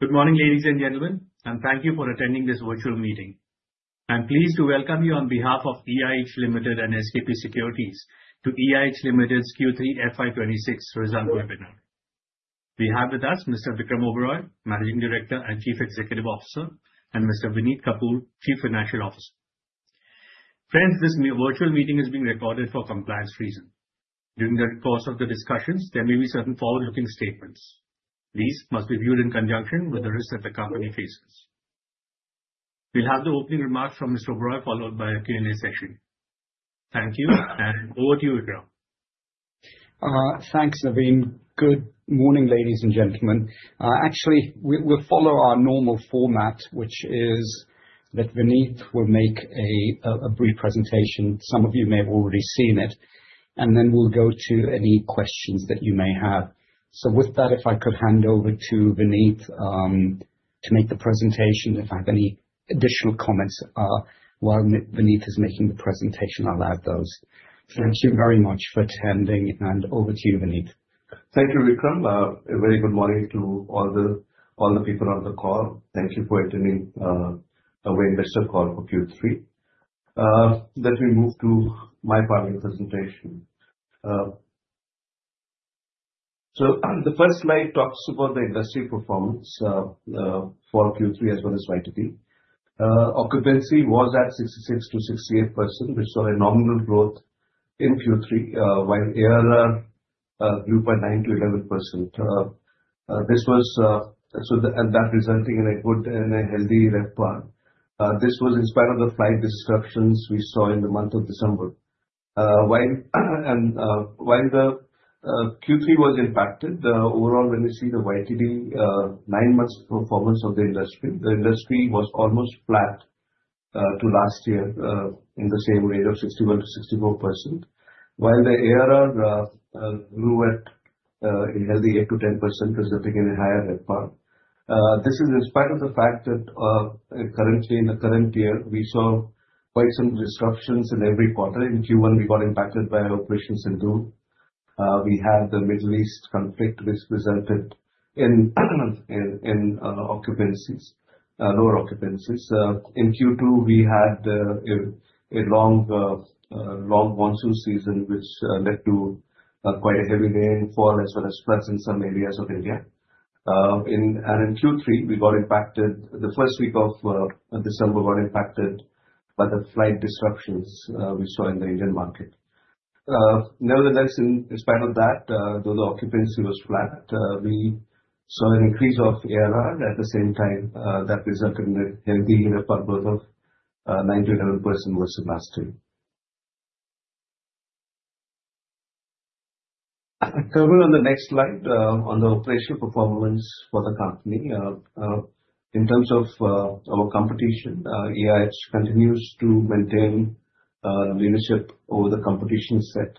Good morning, ladies and gentlemen, and thank you for attending this virtual meeting. I'm pleased to welcome you on behalf of EIH Limited and SBICAP Securities to EIH Limited's Q3 FY 2026 result webinar. We have with us Mr. Vikram Oberoi, Managing Director and Chief Executive Officer, and Mr. Vineet Kapur, Chief Financial Officer. Friends, this virtual meeting is being recorded for compliance reasons. During the course of the discussions, there may be certain forward-looking statements. These must be viewed in conjunction with the risks that the company faces. We'll have the opening remarks from Mr. Oberoi, followed by a Q&A session. Thank you. Over to you, Vikram. Thanks, Navin. Good morning, ladies and gentlemen. Actually, we'll follow our normal format, which is that Vineet will make a brief presentation. Some of you may have already seen it. And then we'll go to any questions that you may have. So with that, if I could hand over to Vineet to make the presentation. If I have any additional comments while Vineet is making the presentation, I'll add those. Thank you very much for attending, and over to you, Vineet. Thank you, Vikram. A very good morning to all the, all the people on the call. Thank you for attending, our investor call for Q3. Let me move to my part of the presentation. So the first slide talks about the industry performance, for Q3 as well as YTD. Occupancy was at 66%-68%. We saw a nominal growth in Q3, while ARR, grew by 9%-11%. This was... So the- And that resulting in a good and a healthy RevPAR. This was in spite of the flight disruptions we saw in the month of December. While the Q3 was impacted, overall, when you see the YTD nine months performance of the industry, the industry was almost flat to last year in the same range of 61%-64%. While the ARR grew at a healthy 8%-10%, resulting in a higher RevPAR. This is in spite of the fact that currently, in the current year, we saw quite some disruptions in every quarter. In Q1, we got impacted by Operation Sindoor. We had the Middle East conflict, which resulted in lower occupancies. In Q2, we had a long monsoon season, which led to quite a heavy rainfall as well as floods in some areas of India. In... In Q3, we got impacted, the first week of December, got impacted by the flight disruptions we saw in the Indian market. Nevertheless, in spite of that, though the occupancy was flat, we saw an increase of ARR. At the same time, that resulted in a healthy RevPAR growth of 9%-11% versus last year. Covering on the next slide, on the operational performance for the company. In terms of our competition, EIH continues to maintain leadership over the competition set.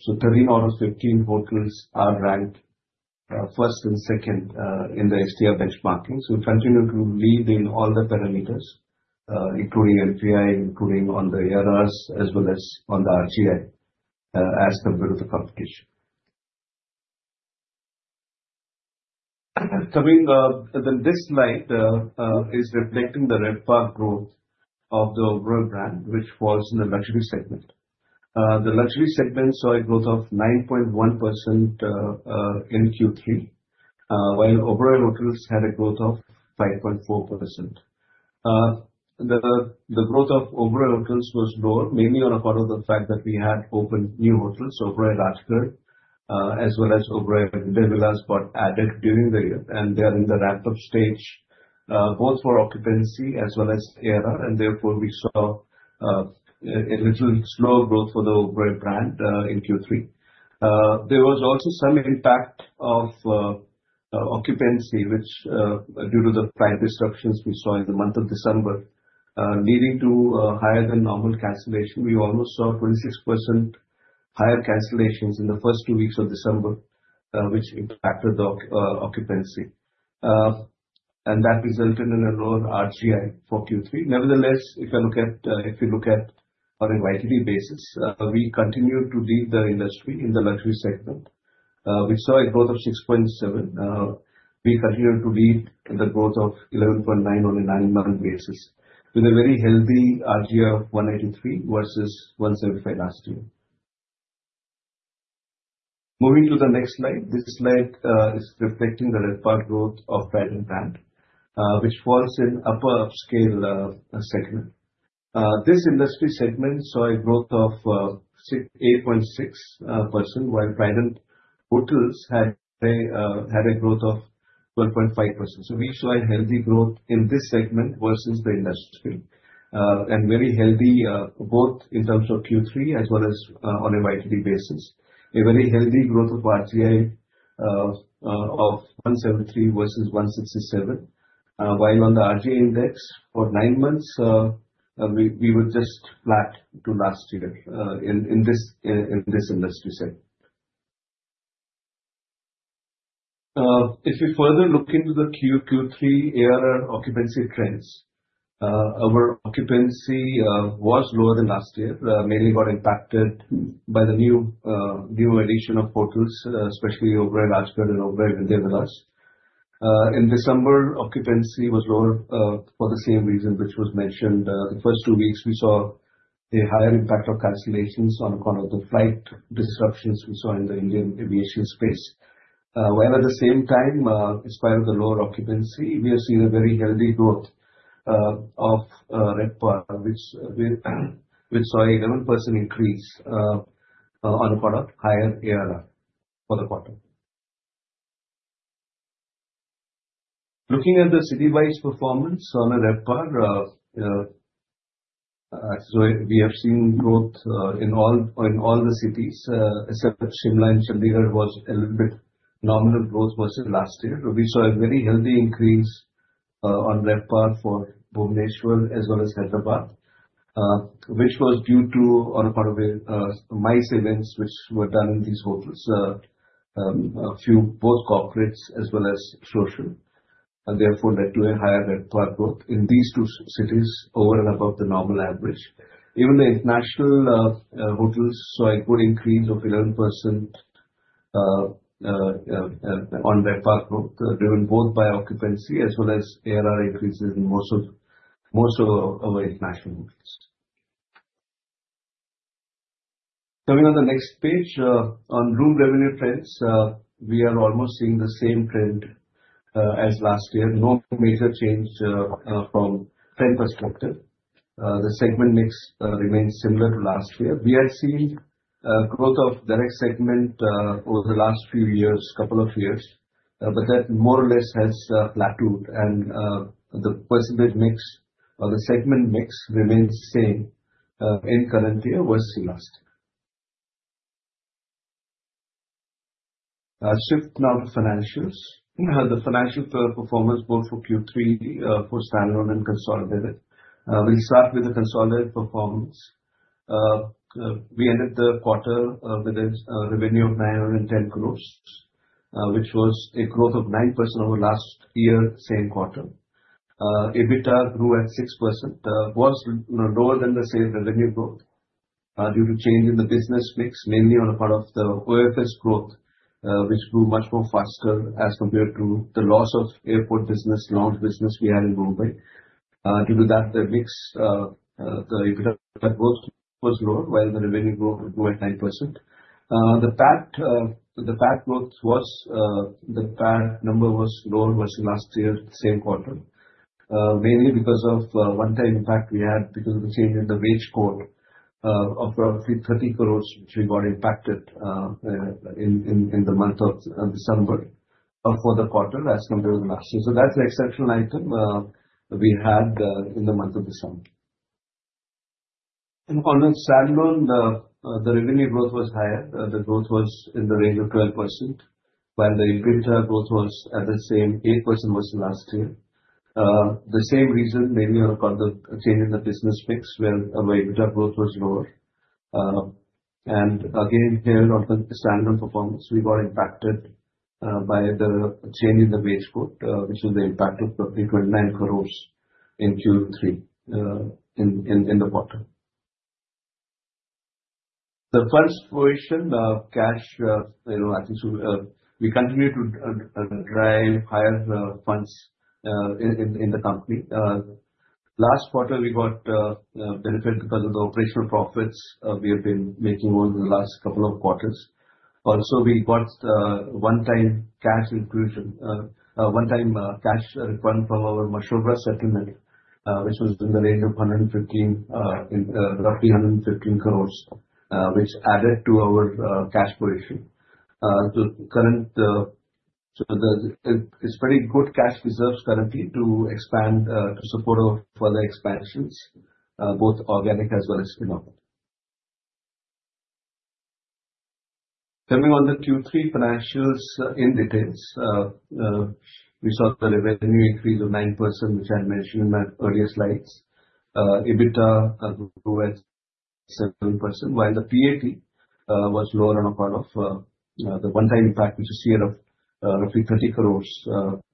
So 13 out of 15 hotels are ranked first and second in the STR benchmarking. So we continue to lead in all the parameters, including LPI, including on the ARRs, as well as on the RGI, as compared to the competition. Coming then, this slide is reflecting the RevPAR growth of the overall brand, which falls in the luxury segment. The luxury segment saw a growth of 9.1% in Q3, while overall hotels had a growth of 5.4%. The growth of overall hotels was low, mainly on account of the fact that we had opened new hotels, Oberoi Rajgarh, as well as Oberoi Udaivilas got added during the year, and they are in the ramp-up stage, both for occupancy as well as ARR, and therefore we saw a little slower growth for the overall brand in Q3. There was also some impact of occupancy, which due to the flight disruptions we saw in the month of December, leading to higher than normal cancellation. We almost saw 26% higher cancellations in the first two weeks of December, which impacted the occupancy. That resulted in a lower RGI for Q3. Nevertheless, if you look at on a YTD basis, we continue to lead the industry in the luxury segment. We saw a growth of 6.7%. We continue to lead in the growth of 11.9% on a nine-month basis, with a very healthy RGI of 183 versus 175 last year. Moving to the next slide. This slide is reflecting the RevPAR growth of Trident Brand, which falls in upper upscale segment. This industry segment saw a growth of 8.6%, while Trident Hotels had a growth of 1.5%. So we saw a healthy growth in this segment versus the industry. And very healthy, both in terms of Q3 as well as, on a YTD basis. A very healthy growth of RGI, of 173 versus 167. While on the RGI index for nine months, we were just flat to last year, in this industry segment. If you further look into the Q3 ARR occupancy trends. Our occupancy was lower than last year. Mainly got impacted by the new addition of hotels, especially Oberoi Rajgarh and over in Oberoi Udaivilas. In December, occupancy was lower, for the same reason which was mentioned. The first two weeks we saw a higher impact of cancellations on account of the flight disruptions we saw in the Indian aviation space. While at the same time, in spite of the lower occupancy, we have seen a very healthy growth of RevPAR, which we saw 11% increase on account of higher ARR for the quarter. Looking at the city-wide performance on a RevPAR, so we have seen growth in all the cities, except that Shimla and Chandigarh was a little bit nominal growth versus last year. We saw a very healthy increase on RevPAR for Bhubaneswar, as well as Hyderabad. Which was due to on a part of a MICE events, which were done in these hotels. A few both corporates as well as social, and therefore led to a higher RevPAR growth in these two cities over and above the normal average. Even the international hotels saw a good increase of 11% on RevPAR growth, driven both by occupancy as well as ARR increases in most of our international hotels. Coming on the next page, on room revenue trends. We are almost seeing the same trend as last year. No major change from trend perspective. The segment mix remains similar to last year. We have seen growth of direct segment over the last few years, couple of years, but that more or less has plateaued and the percentage mix or the segment mix remains same in current year versus last year. Shift now to financials. We have the financial performance both for Q3 for standalone and consolidated. We'll start with the consolidated performance. We ended the quarter with a revenue of 910 crore, which was a growth of 9% over last year, same quarter. EBITDA grew at 6%, was, you know, lower than the same revenue growth, due to change in the business mix, mainly on the part of the OFS growth, which grew much more faster as compared to the loss of airport business, lounge business we had in Mumbai. Due to that, the mix, the EBITDA growth was lower, while the revenue growth grew at 9%. The PAT, the PAT growth was, the PAT number was lower versus last year, same quarter. Mainly because of one-time impact we had because of the change in the wage code of roughly 30 crore, which we got impacted in the month of December for the quarter as compared to last year. So that's the exceptional item we had in the month of December. In terms of standalone, the revenue growth was higher. The growth was in the range of 12%, while the EBITDA growth was at the same 8% versus last year. The same reason, mainly on account of change in the business mix, where our EBITDA growth was lower. And again, here on the standalone performance, we got impacted by the change in the wage code, which is the impact of roughly 29 crore in Q3 in the quarter. The first portion of cash, you know, I think so, we continue to drive higher funds in the company. Last quarter, we got benefit because of the operational profits we have been making over the last couple of quarters. Also, we got one-time cash inclusion, one-time cash refund from our Mashobra settlement, which was in the range of 115, roughly 115 crores, which added to our cash position. The current... So, it's very good cash reserves currently to expand, to support our further expansions, both organic as well as inorganic. Coming on the Q3 financials in details. We saw the revenue increase of 9%, which I mentioned in my earlier slides. EBITDA grew at 7%, while the PAT was lower on account of the one-time impact, which is here of roughly 30 crore,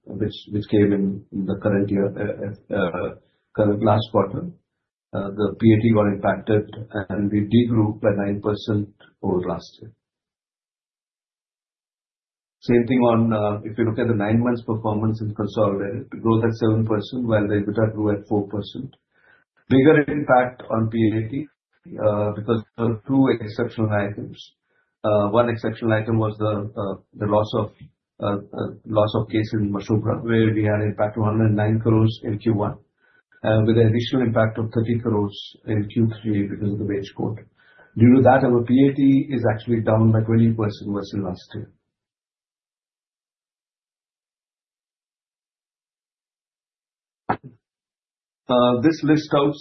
which came in in the current year, current last quarter. The PAT got impacted, and we de-grew by 9% over last year. Same thing on if you look at the nine months performance in consolidated, growth at 7%, while the EBITDA grew at 4%. Bigger impact on PAT, because there were two exceptional items. One exceptional item was the loss of case in Mashobra, where we had impact of 109 crore in Q1. With an additional impact of 30 crore in Q3 because of the wage code. Due to that, our PAT is actually down by 20% versus last year. This lists out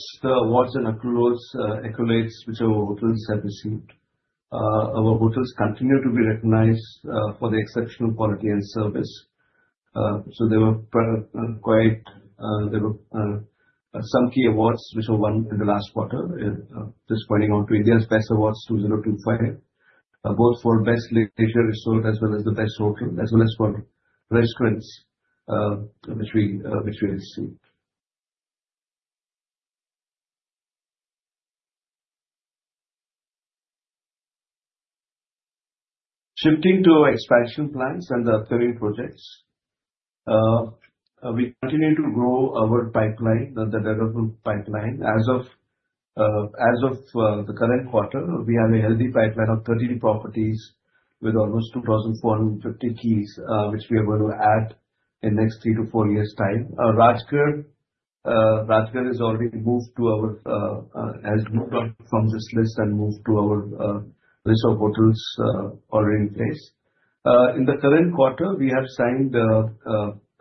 awards and approvals, accolades, which our hotels have received. Our hotels continue to be recognized for the exceptional quality and service. So there were quite some key awards which were won in the last quarter. Just pointing out to India's Best Awards 2025... both for Best Leisure Resort, as well as the Best Hotel, as well as for restaurants, which we, which we received. Shifting to our expansion plans and the upcoming projects. We continue to grow our pipeline, the development pipeline. As of the current quarter, we have a healthy pipeline of 30 properties with almost 2,450 keys, which we are going to add in next three to four years' time. Rajgarh has already moved on from this list and moved to our list of hotels already in place. In the current quarter, we have signed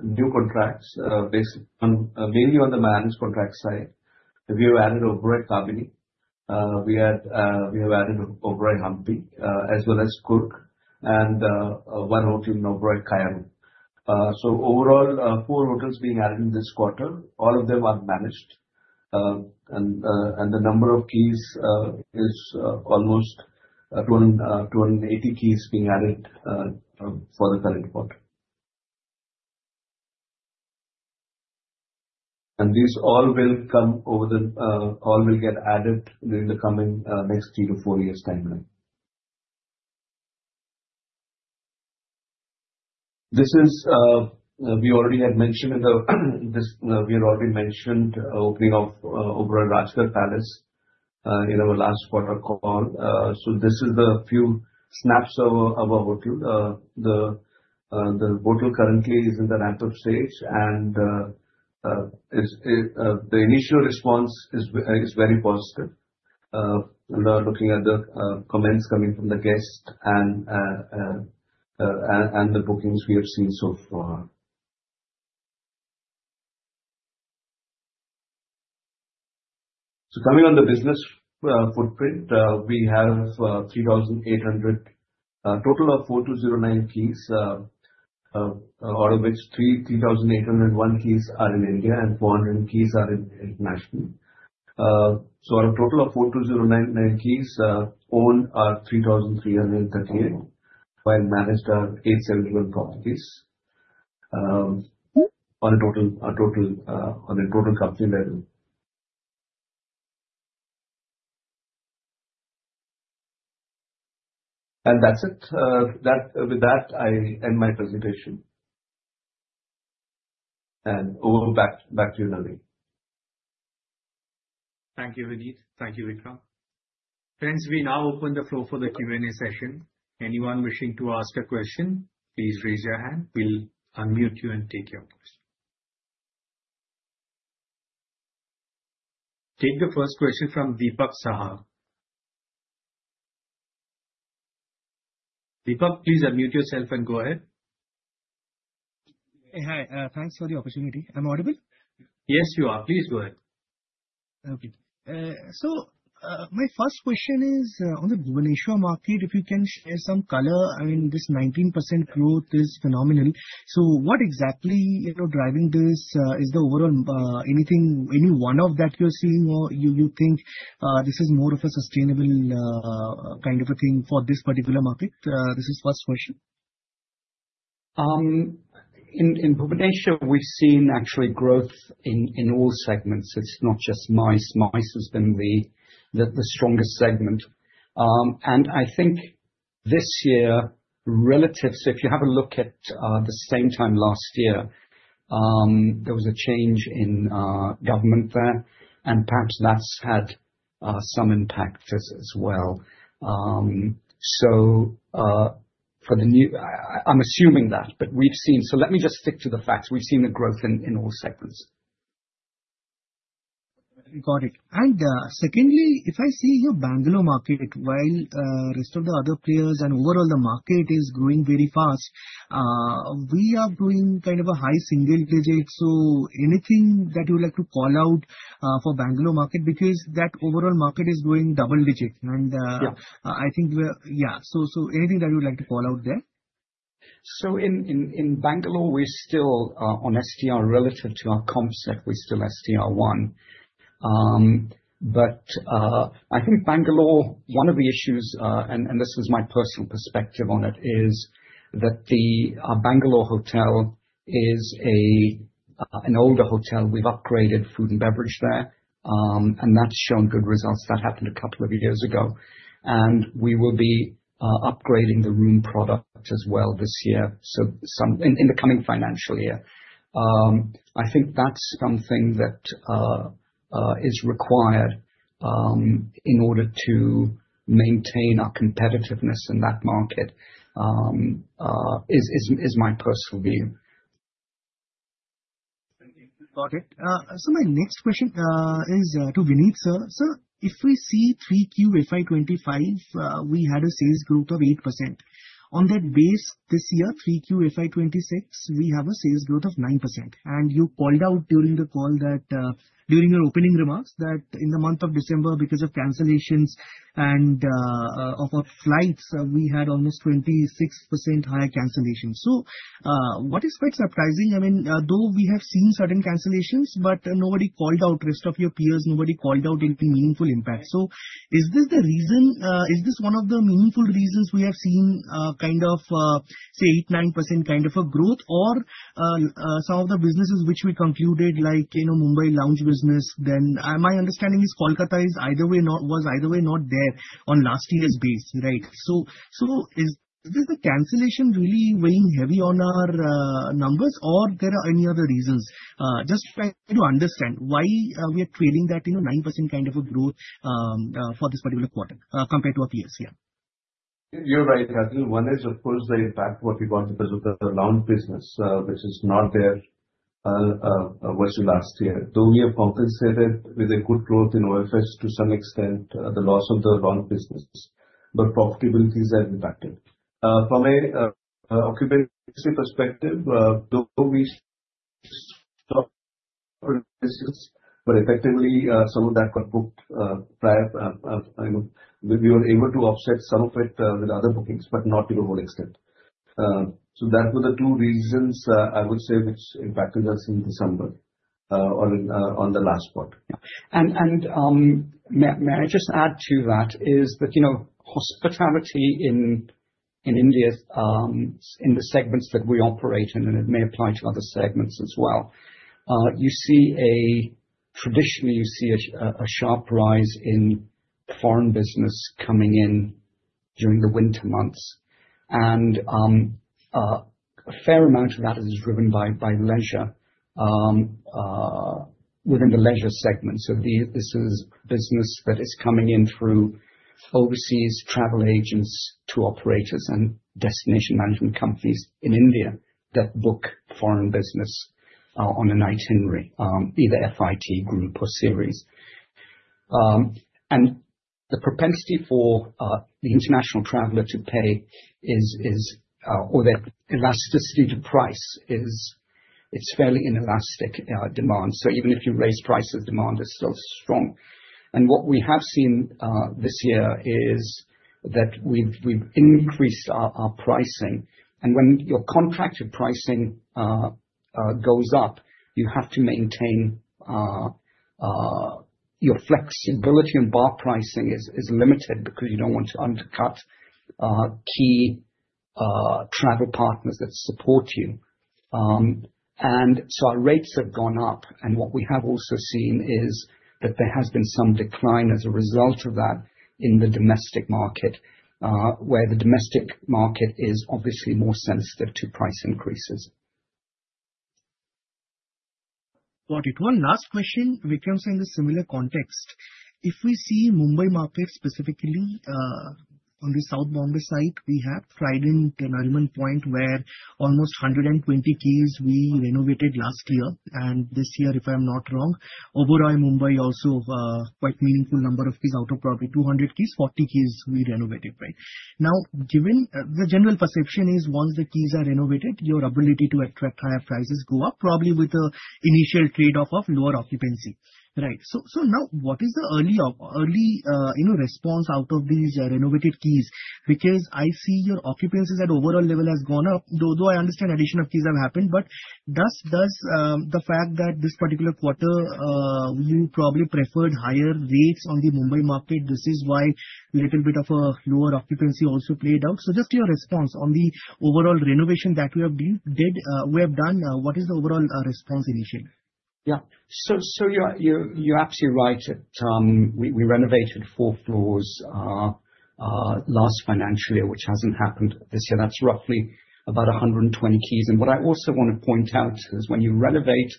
new contracts, based mainly on the managed contract side. We have added Oberoi Kabini. We have added Oberoi Hampi, as well as Coorg, and one hotel in Oberoi Kaya. So overall, four hotels being added in this quarter. All of them are managed. And the number of keys is almost 280 keys being added for the current quarter. And these all will get added within the coming next three to four years' timeline. This is, we had already mentioned opening of Oberoi Rajgarh Palace in our last quarter call. So this is a few snaps of our hotel. The hotel currently is in the ramp-up stage, and the initial response is very positive, looking at the comments coming from the guests and the bookings we have seen so far. So coming on the business footprint, we have 3,800 total of 4,209 keys, out of which 3,801 keys are in India and 400 keys are international. So out of total of 4,209 keys, owned are 3,338, while managed are 871 properties on a total company level. And that's it. With that, I end my presentation. And over back back to you, Navin. Thank you, Vineet. Thank you, Vikram. Friends, we now open the floor for the Q&A session. Anyone wishing to ask a question, please raise your hand. We'll unmute you and take your question. Take the first question from Deepak Saha. Deepak, please unmute yourself and go ahead. Hi, thanks for the opportunity. Am I audible? Yes, you are. Please go ahead. Okay. So, my first question is, on the Bhubaneswar market, if you can share some color. I mean, this 19% growth is phenomenal. So what exactly, you know, driving this? Is the overall, anything, any one of that you're seeing or you, you think, this is more of a sustainable, kind of a thing for this particular market? This is first question. In Bhubaneswar, we've seen actually growth in all segments. It's not just MICE. MICE has been the strongest segment. And I think this year, relative... So if you have a look at the same time last year, there was a change in government there, and perhaps that's had some impact as well. So, for the new... I'm assuming that, but we've seen— So let me just stick to the facts. We've seen a growth in all segments. Got it. And, secondly, if I see your Bangalore market, while, rest of the other players and overall the market is growing very fast, we are doing kind of a high single digits. So anything that you would like to call out, for Bangalore market? Because that overall market is growing double digits, and, Yeah. I think we are... Yeah. So, anything that you would like to call out there? So in Bangalore, we're still on STR. Relative to our concept, we're still STR one. But I think Bangalore, one of the issues, and this is my personal perspective on it, is that the Bangalore hotel is an older hotel. We've upgraded food and beverage there, and that's shown good results. That happened a couple of years ago. We will be upgrading the room product as well this year, so in the coming financial year. I think that's something that is required in order to maintain our competitiveness in that market. Is my personal view.... Got it. So my next question is to Vineet, sir. Sir, if we see 3Q FY 2025, we had a sales growth of 8%. On that base, this year, 3Q FY 2026, we have a sales growth of 9%. And you called out during the call that, during your opening remarks, that in the month of December, because of cancellations and of flights, we had almost 26% higher cancellations. So, what is quite surprising, I mean, though we have seen certain cancellations, but nobody called out, rest of your peers, nobody called out any meaningful impact. So is this the reason, is this one of the meaningful reasons we have seen, kind of, say, 8%-9% kind of a growth? Or, some of the businesses which we concluded, like, you know, Mumbai lounge business, then, my understanding is Kolkata was either way not there on last year's base, right? So, is the cancellation really weighing heavy on our numbers, or there are any other reasons? Just trying to understand why we are trailing that, you know, 9% kind of a growth for this particular quarter compared to our peers here. You're right, Rahul. One is, of course, the impact what we got because of the lounge business, which is not there versus last year. Though we have compensated with a good growth in OFS to some extent the loss of the lounge business, but profitability is impacted. From a occupancy perspective, though we but effectively, some of that got booked prior, you know... We were able to offset some of it with other bookings, but not to the whole extent. So that were the two reasons, I would say, which impacted us in December, on the last part. May I just add to that? You know, hospitality in India, in the segments that we operate in, and it may apply to other segments as well. You see traditionally, you see a sharp rise in foreign business coming in during the winter months. A fair amount of that is driven by leisure within the leisure segment. So this is business that is coming in through overseas travel agents to operators and destination management companies in India that book foreign business on an itinerary, either FIT group or series. And the propensity for the international traveler to pay or their elasticity to price is fairly inelastic demand. So even if you raise prices, demand is still strong. What we have seen this year is that we've increased our pricing. And when your contracted pricing goes up, you have to maintain your flexibility in bar pricing is limited because you don't want to undercut key travel partners that support you. And so our rates have gone up, and what we have also seen is that there has been some decline as a result of that in the domestic market, where the domestic market is obviously more sensitive to price increases. Got it. One last question, which comes in the similar context. If we see Mumbai market, specifically, on the South Mumbai side, we have Trident, Nariman Point, where almost 120 keys we renovated last year. And this year, if I'm not wrong, Oberoi Mumbai also, quite meaningful number of keys out of probably 200 keys, 40 keys we renovated, right? Now, given, the general perception is once the keys are renovated, your ability to attract higher prices go up, probably with a initial trade-off of lower occupancy, right? So, so now, what is the early, you know, response out of these, renovated keys? Because I see your occupancies at overall level has gone up, though, though I understand addition of keys have happened. But does the fact that this particular quarter you probably preferred higher rates on the Mumbai market, this is why little bit of a lower occupancy also played out? So just your response on the overall renovation that we have been did, we have done, what is the overall response initially? Yeah. So you're absolutely right that we renovated four floors last financial year, which hasn't happened this year. That's roughly about 120 keys. And what I also want to point out is when you renovate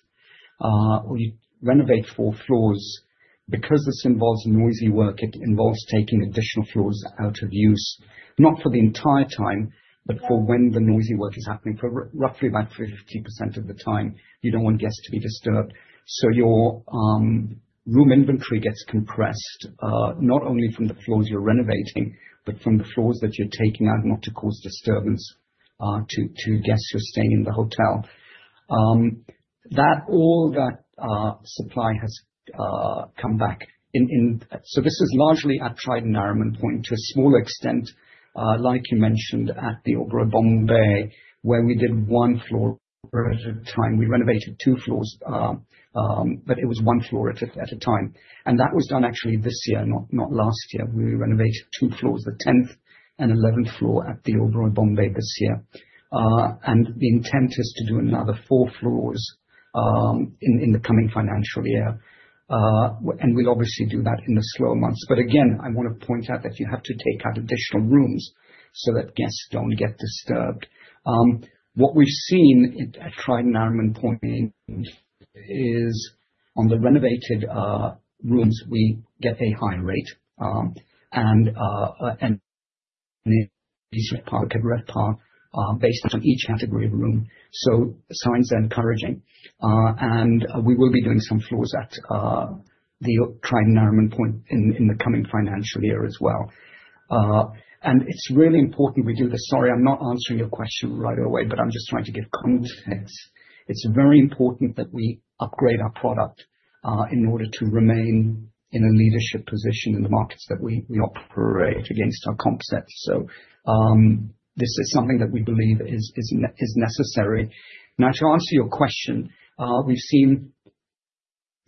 four floors, because this involves noisy work, it involves taking additional floors out of use, not for the entire time, but for when the noisy work is happening. For roughly about 50% of the time, you don't want guests to be disturbed. So your room inventory gets compressed, not only from the floors you're renovating, but from the floors that you're taking out not to cause disturbance to guests who are staying in the hotel. That all that supply has come back in... So this is largely at Trident Nariman Point, to a small extent, like you mentioned, at the Oberoi Mumbai, where we did one floor at a time. We renovated two floors, but it was one floor at a time. And that was done actually this year, not last year. We renovated two floors, the tenth and eleventh floor at the Oberoi Mumbai this year. And the intent is to do another four floors in the coming financial year. And we'll obviously do that in the slow months. But again, I want to point out that you have to take out additional rooms so that guests don't get disturbed. What we've seen at Trident Nariman Point is on the renovated rooms, we get a higher rate, and... In the DC Park, Everett Park, based on each category of room. So the signs are encouraging. And we will be doing some floors at the Trident Nariman Point in the coming financial year as well. And it's really important we do this. Sorry, I'm not answering your question right away, but I'm just trying to give context. It's very important that we upgrade our product in order to remain in a leadership position in the markets that we operate against our concepts. So this is something that we believe is necessary. Now, to answer your question, we've seen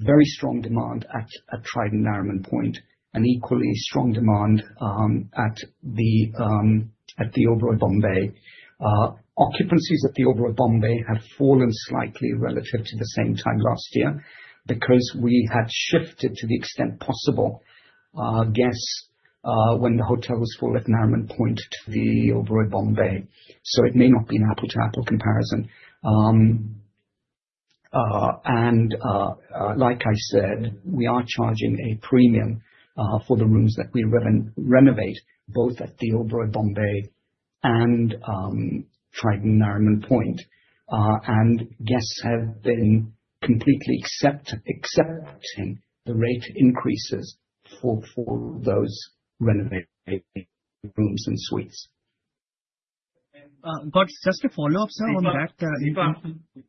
very strong demand at Trident Nariman Point, and equally strong demand at the Oberoi Mumbai. Occupancies at the Oberoi Mumbai have fallen slightly relative to the same time last year, because we had shifted, to the extent possible, guests when the hotel was full at Nariman Point to the Oberoi Mumbai, so it may not be an apple to apple comparison. Like I said, we are charging a premium for the rooms that we renovate, both at the Oberoi Mumbai and Trident Nariman Point. Guests have been completely accepting the rate increases for those renovated rooms and suites. Got just a follow-up, sir, on that. Deepak,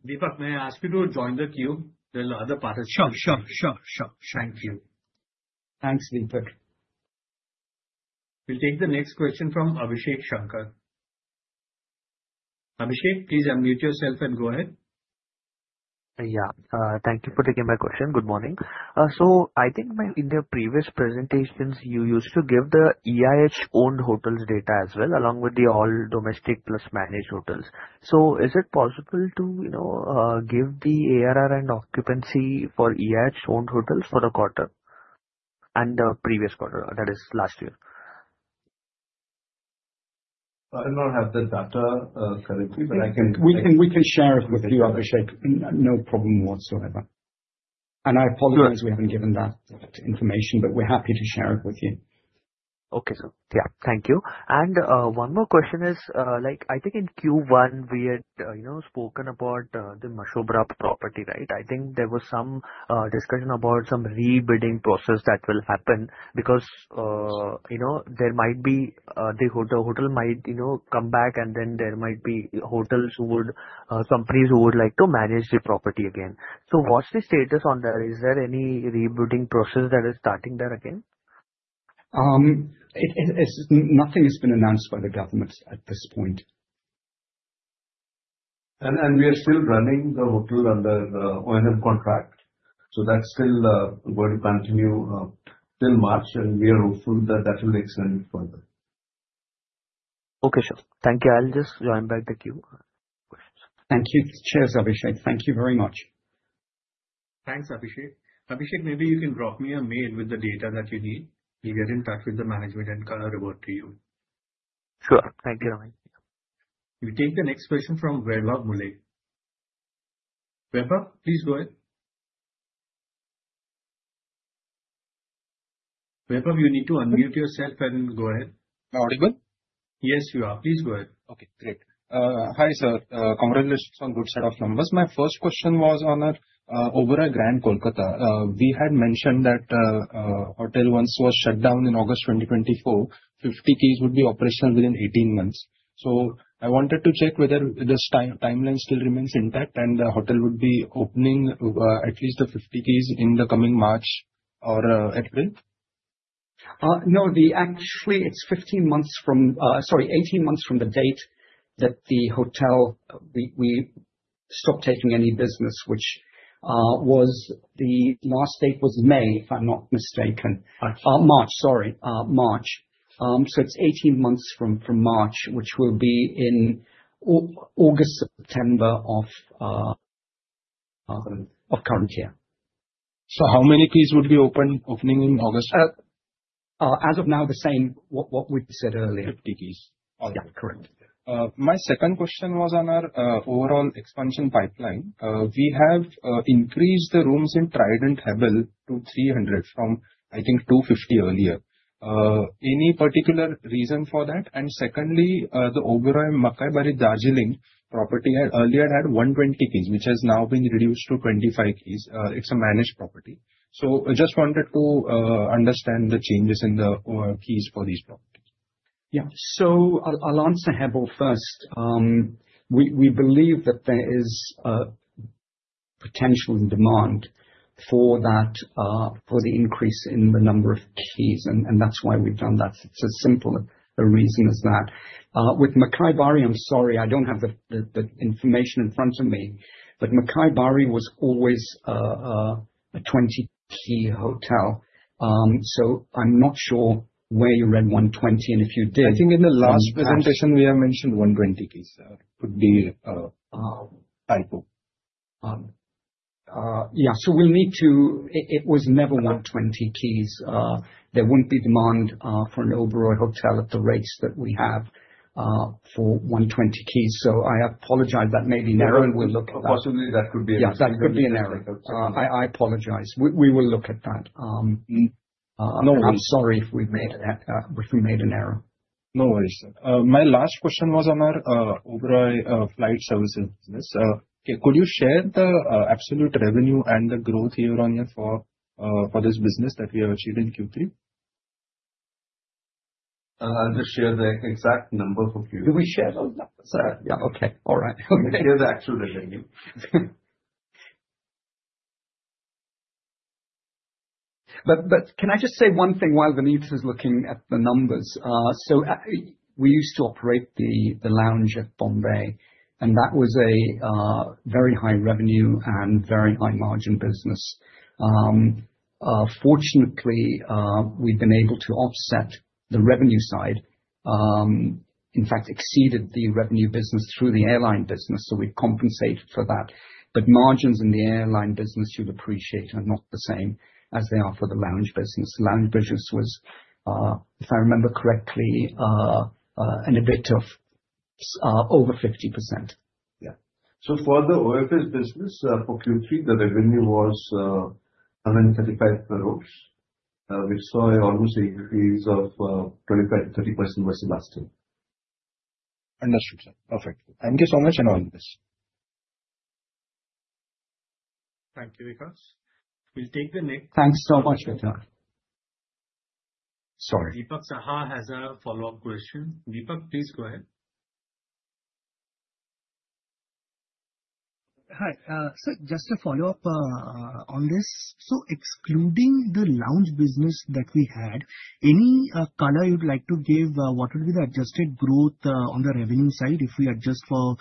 Deepak, may I ask you to join the queue? There are other participants. Sure, sure, sure, sure. Thank you. Thanks, Deepak. We'll take the next question from Abhishek Shankar. Abhishek, please unmute yourself and go ahead. Yeah. Thank you for taking my question. Good morning. So I think when in the previous presentations, you used to give the EIH-owned hotels data as well, along with the all domestic plus managed hotels. So is it possible to, you know, give the ARR and occupancy for EIH-owned hotels for the quarter, and the previous quarter, that is, last year? I do not have the data currently, but I can- We can, we can share it with you, Abhishek. No problem whatsoever. And I apologize- Sure. We haven't given that, that information, but we're happy to share it with you. Okay, sir. Yeah, thank you. One more question is, like, I think in Q1, we had, you know, spoken about the Mashobra property, right? I think there was some discussion about some re-bidding process that will happen, because, you know, there might be the hotel might, you know, come back, and then there might be companies who would like to manage the property again. So what's the status on that? Is there any re-bidding process that is starting there again? Nothing has been announced by the government at this point. We are still running the hotel under the OMF Contract, so that's still going to continue till March, and we are hopeful that that will extend further. Okay, sure. Thank you. I'll just join back the queue. Thank you. Cheers, Abhishek. Thank you very much. Thanks, Abhishek. Abhishek, maybe you can drop me a mail with the data that you need. We'll get in touch with the management and get our award to you. Sure. Thank you. We take the next question from Vaibhav Mulay. Vaibhav, please go ahead. Vaibhav, you need to unmute yourself and go ahead. Am I audible? Yes, you are. Please go ahead. Okay, great. Hi, sir. Congratulations on good set of numbers. My first question was on our Oberoi Grand Kolkata. We had mentioned that hotel once was shut down in August 2024, 50 keys would be operational within 18 months. So I wanted to check whether this timeline still remains intact, and the hotel would be opening at least the 50 keys in the coming March or April? No. Actually, it's 15 months from, sorry, 18 months from the date that the hotel... We stopped taking any business, which was the last date was May, if I'm not mistaken. March. March, sorry. March. So it's 18 months from March, which will be in August, September of current year. So how many keys would be open, opening in August? As of now, the same what we said earlier. 50 keys. Yeah, correct. My second question was on our overall expansion pipeline. We have increased the rooms in Trident, Hebbal to 300 from, I think, 250 earlier. Any particular reason for that? And secondly, the Oberoi Makaibari, Darjeeling property had, earlier had 120 keys, which has now been reduced to 25 keys. It's a managed property. So I just wanted to understand the changes in the overall keys for these properties. Yeah. So I'll answer Hebbal first. We believe that there is potential and demand for that, for the increase in the number of keys, and that's why we've done that. It's as simple a reason as that. With Makaibari, I'm sorry, I don't have the information in front of me. But Makaibari was always a 20-key hotel. So I'm not sure where you read 120, and if you did- I think in the last presentation, we had mentioned 120 keys. Could be, typo. It was never 120 keys. There wouldn't be demand for an Oberoi hotel at the rates that we have for 120 keys. So I apologize, that may be an error, and we'll look at that. Possibly that could be an error. Yes, that could be an error. I apologize. We will look at that. No worries. I'm sorry if we've made an error. No worries, sir. My last question was on our Oberoi Flight Services business. Could you share the absolute revenue and the growth year on year for this business that we have achieved in Q3? I'll just share the exact number for you. Do we share those numbers? Yeah, okay. All right. We share the actual revenue. But can I just say one thing while Vineet is looking at the numbers? So we used to operate the lounge at Mumbai, and that was a very high revenue and very high margin business. Fortunately, we've been able to offset the revenue side, in fact exceeded the revenue business through the airline business, so we've compensated for that. But margins in the airline business, you'd appreciate, are not the same as they are for the lounge business. The lounge business was, if I remember correctly, a bit over 50%. Yeah. So for the OFS business, for Q3, the revenue was 135 crore. We saw almost a increase of 25%-30% versus last year. Understood, sir. Perfect. Thank you so much, and all the best. Thank you, Vikas. We'll take the next- Thanks so much, Vikas. Sorry. Deepak Saha has a follow-up question. Deepak, please go ahead. Hi. Sir, just a follow-up on this. So excluding the lounge business that we had, any color you'd like to give what would be the adjusted growth on the revenue side if we adjust for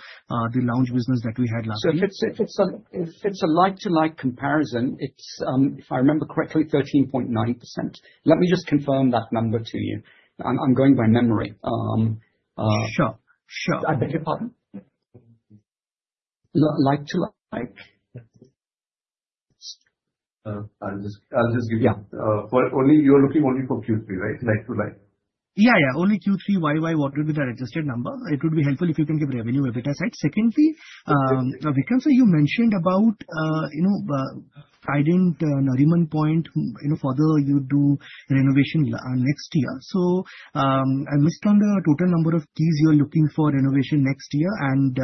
the lounge business that we had last year? So if it's a like-to-like comparison, it's, if I remember correctly, 13.9%. Let me just confirm that number to you. I'm going by memory. Sure. Sure. I beg your pardon? Like, like to, like... I'll just give you- Yeah. But only, you're looking only for Q3, right? Like to like. Yeah, yeah, only Q3. What would be the adjusted number? It would be helpful if you can give revenue EBITDA side. Secondly, Vikram, sir, you mentioned about, you know, Trident, Nariman Point, you know, further you do renovation next year. So, I missed on the total number of keys you are looking for renovation next year, and,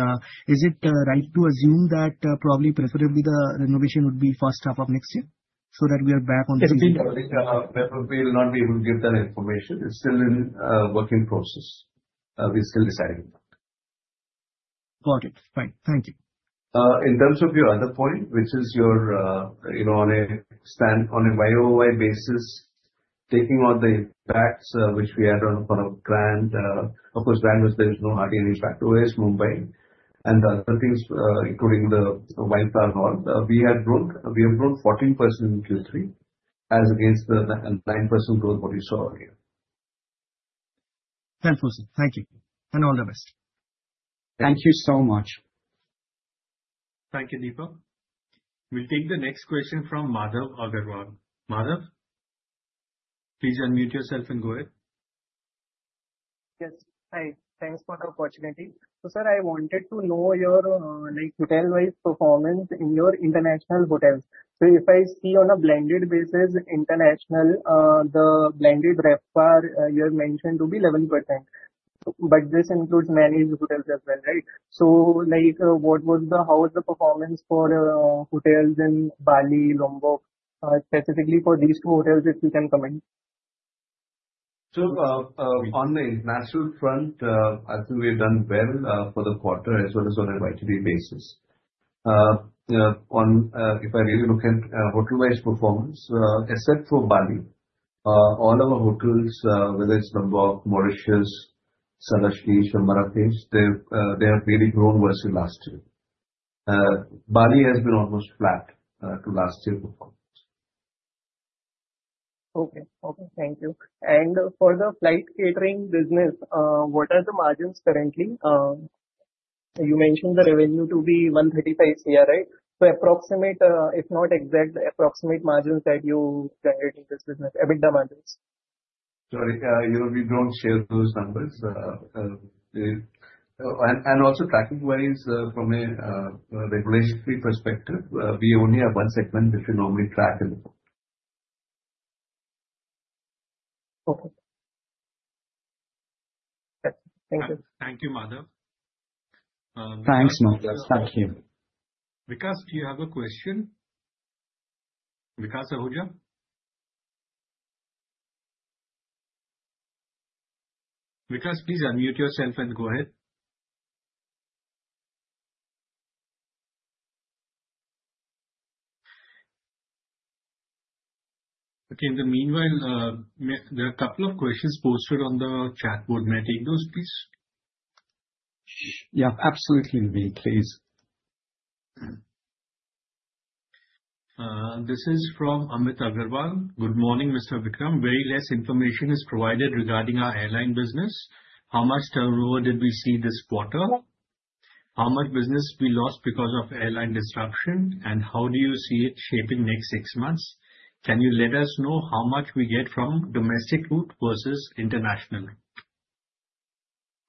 is it, right to assume that, probably preferably the renovation would be first half of next year, so that we are back on the- Yes, Deepak, we will not be able to give that information. It's still in working process. We're still deciding. Got it. Fine. Thank you. In terms of your other point, which is your, you know, on a standalone year-over-year basis, taking all the impacts, which we had on for our brand, of course, there is no hard impact. At least Mumbai and other things, including the Wildflower Hall. We had grown, we have grown 14% in Q3, as against the, the 9% growth what you saw earlier. Thanks, sir. Thank you, and all the best. Thank you so much. Thank you, Deepak. We'll take the next question from Madhav Agarwal. Madhav, please unmute yourself and go ahead. Yes. Hi, thanks for the opportunity. So, sir, I wanted to know your, like, hotel-wide performance in your international hotels. So if I see on a blended basis, international, the blended RevPAR, you have mentioned to be 11%, but this includes managed hotels as well, right? So like, what was the... How was the performance for, hotels in Bali, Lombok? Specifically for these two hotels, if you can comment. So, on the international front, I think we've done well, for the quarter, as well as on an YTD basis. On, if I really look at, hotel-wise performance, except for Bali, all our hotels, whether it's Lombok, Mauritius, Sahl Hasheesh. or Marrakech, they've, they have really grown versus last year. Bali has been almost flat, to last year's performance. Okay. Okay, thank you. And for the flight catering business, what are the margins currently? You mentioned the revenue to be 135 here, right? So approximate, if not exact, the approximate margins that you get in this business, EBITDA margins. Sorry, you know, we don't share those numbers. And also, tracking-wise, from a regulatory perspective, we only have one segment which we normally track in. Okay. Thank you. Thank you, Madhav. Thanks, Madhav. Thank you. Vikas, do you have a question? Vikas Ahuja? Vikas, please unmute yourself and go ahead. Okay, in the meanwhile, there are a couple of questions posted on the chat board. May I take those, please? Yeah, absolutely, Vineet. Please. This is from Amit Agarwal: Good morning, Mr. Vikram. Very less information is provided regarding our airline business. How much turnover did we see this quarter? How much business we lost because of airline disruption, and how do you see it shaping next six months? Can you let us know how much we get from domestic route versus international?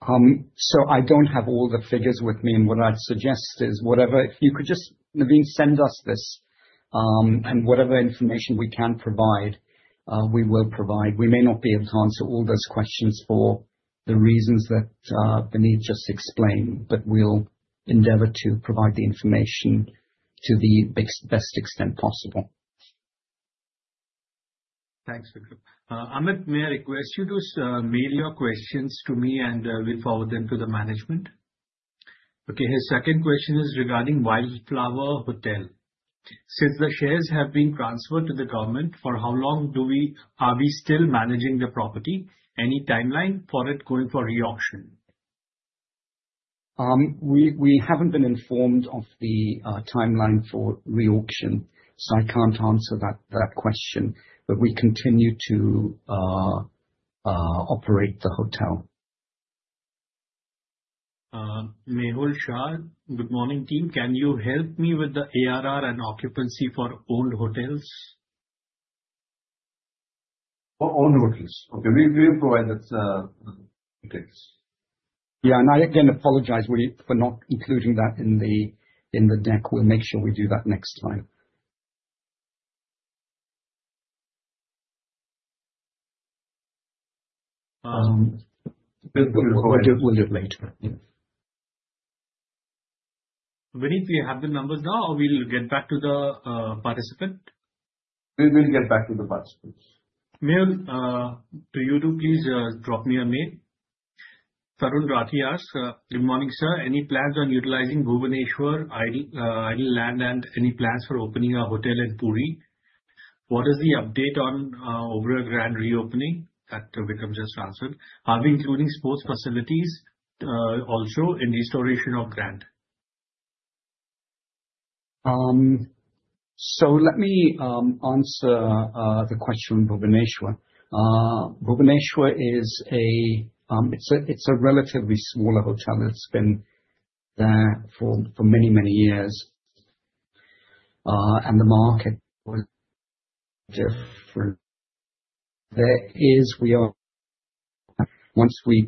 So, I don't have all the figures with me, and what I'd suggest is, whatever, if you could just, Navin, send us this, and whatever information we can provide, we will provide. We may not be able to answer all those questions for the reasons that Vineet just explained, but we'll endeavor to provide the information to the best extent possible. Thanks, Vikram. Amit, may I request you to mail your questions to me, and we'll forward them to the management. Okay, his second question is regarding Wildflower Hall. Since the shares have been transferred to the government, for how long are we still managing the property? Any timeline for it going for reauction? We haven't been informed of the timeline for reauction, so I can't answer that question, but we continue to operate the hotel. Mehul Shah: Good morning, team. Can you help me with the ARR and occupancy for owned hotels? For owned hotels. Okay, we provide that details. Yeah, and I again apologize, we for not including that in the deck. We'll make sure we do that next time. We'll provide it. We'll provide it later, yeah. Vineet, do you have the numbers now, or we'll get back to the participant? We will get back to the participants. Mehul, do please drop me a mail? Tarun Rathie asks: Good morning, sir. Any plans on utilizing Bhubaneswar idle, idle land, and any plans for opening a hotel in Puri? What is the update on Oberoi Grand reopening? That Vikram just answered. Are we including sports facilities also in restoration of Grand? So let me answer the question on Bhubaneswar. Bhubaneswar is a relatively smaller hotel. It's been there for many, many years, and the market was different. Once that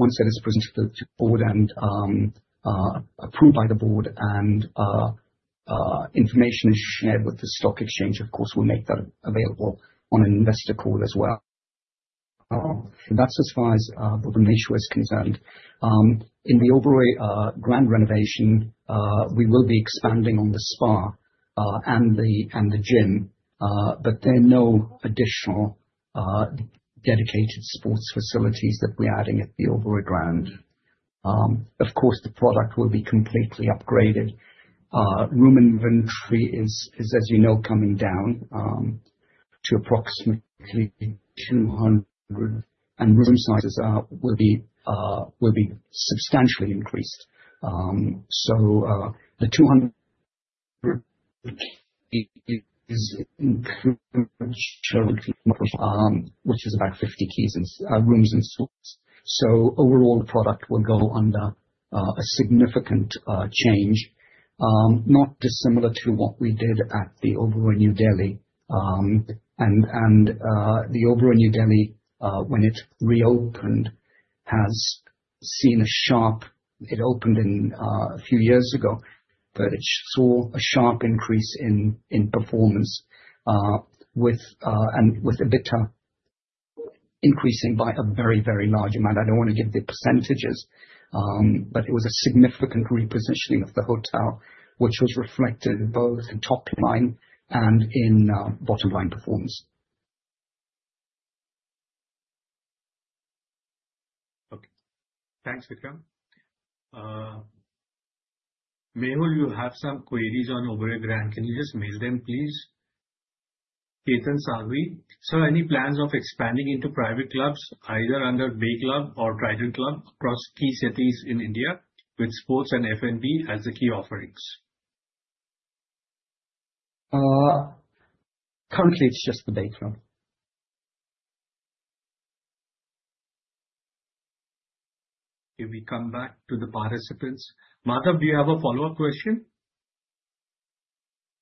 is presented to the board and approved by the board and information is shared with the stock exchange, of course, we'll make that available on an investor call as well. That's as far as Bhubaneswar is concerned. In the Oberoi Grand renovation, we will be expanding on the spa and the gym, but there are no additional dedicated sports facilities that we're adding at the Oberoi Grand. Of course, the product will be completely upgraded. Room inventory is, as you know, coming down to approximately 200, and room sizes will be substantially increased. So, the 200 is increased, which is about 50 keys in rooms and suites. So overall, the product will go under a significant change, not dissimilar to what we did at the Oberoi, New Delhi. And, the Oberoi, New Delhi, when it reopened, has seen a sharp... It opened in a few years ago, but it saw a sharp increase in performance, with and with EBITDA increasing by a very, very large amount. I don't want to give the percentages, but it was a significant repositioning of the hotel, which was reflected both in top line and in bottom line performance. Okay. Thanks, Vikram. Mehul, you have some queries on Oberoi Grand. Can you just mail them, please? Ketan Salvi: Sir, any plans of expanding into private clubs, either under Bay Club or Trident Club, across key cities in India, with sports and F&B as the key offerings? Currently it's just the Bay Club. Can we come back to the participants? Madhav, do you have a follow-up question?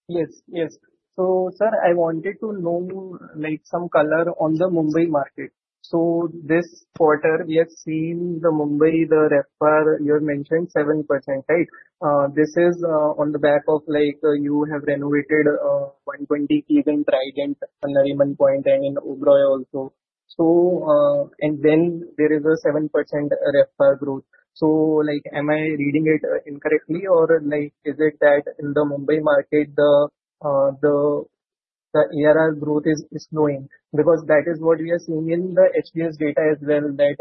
Yes, yes. So, sir, I wanted to know, like, some color on the Mumbai market. So this quarter, we have seen the Mumbai, the RevPAR, you have mentioned 7%, right? This is on the back of, like, you have renovated 120 keys in Trident, Nariman Point and in Oberoi also. So, and then there is a 7% RevPAR growth. So, like, am I reading it incorrectly or, like, is it that in the Mumbai market, the ARR growth is slowing? Because that is what we are seeing in the HDS data as well, that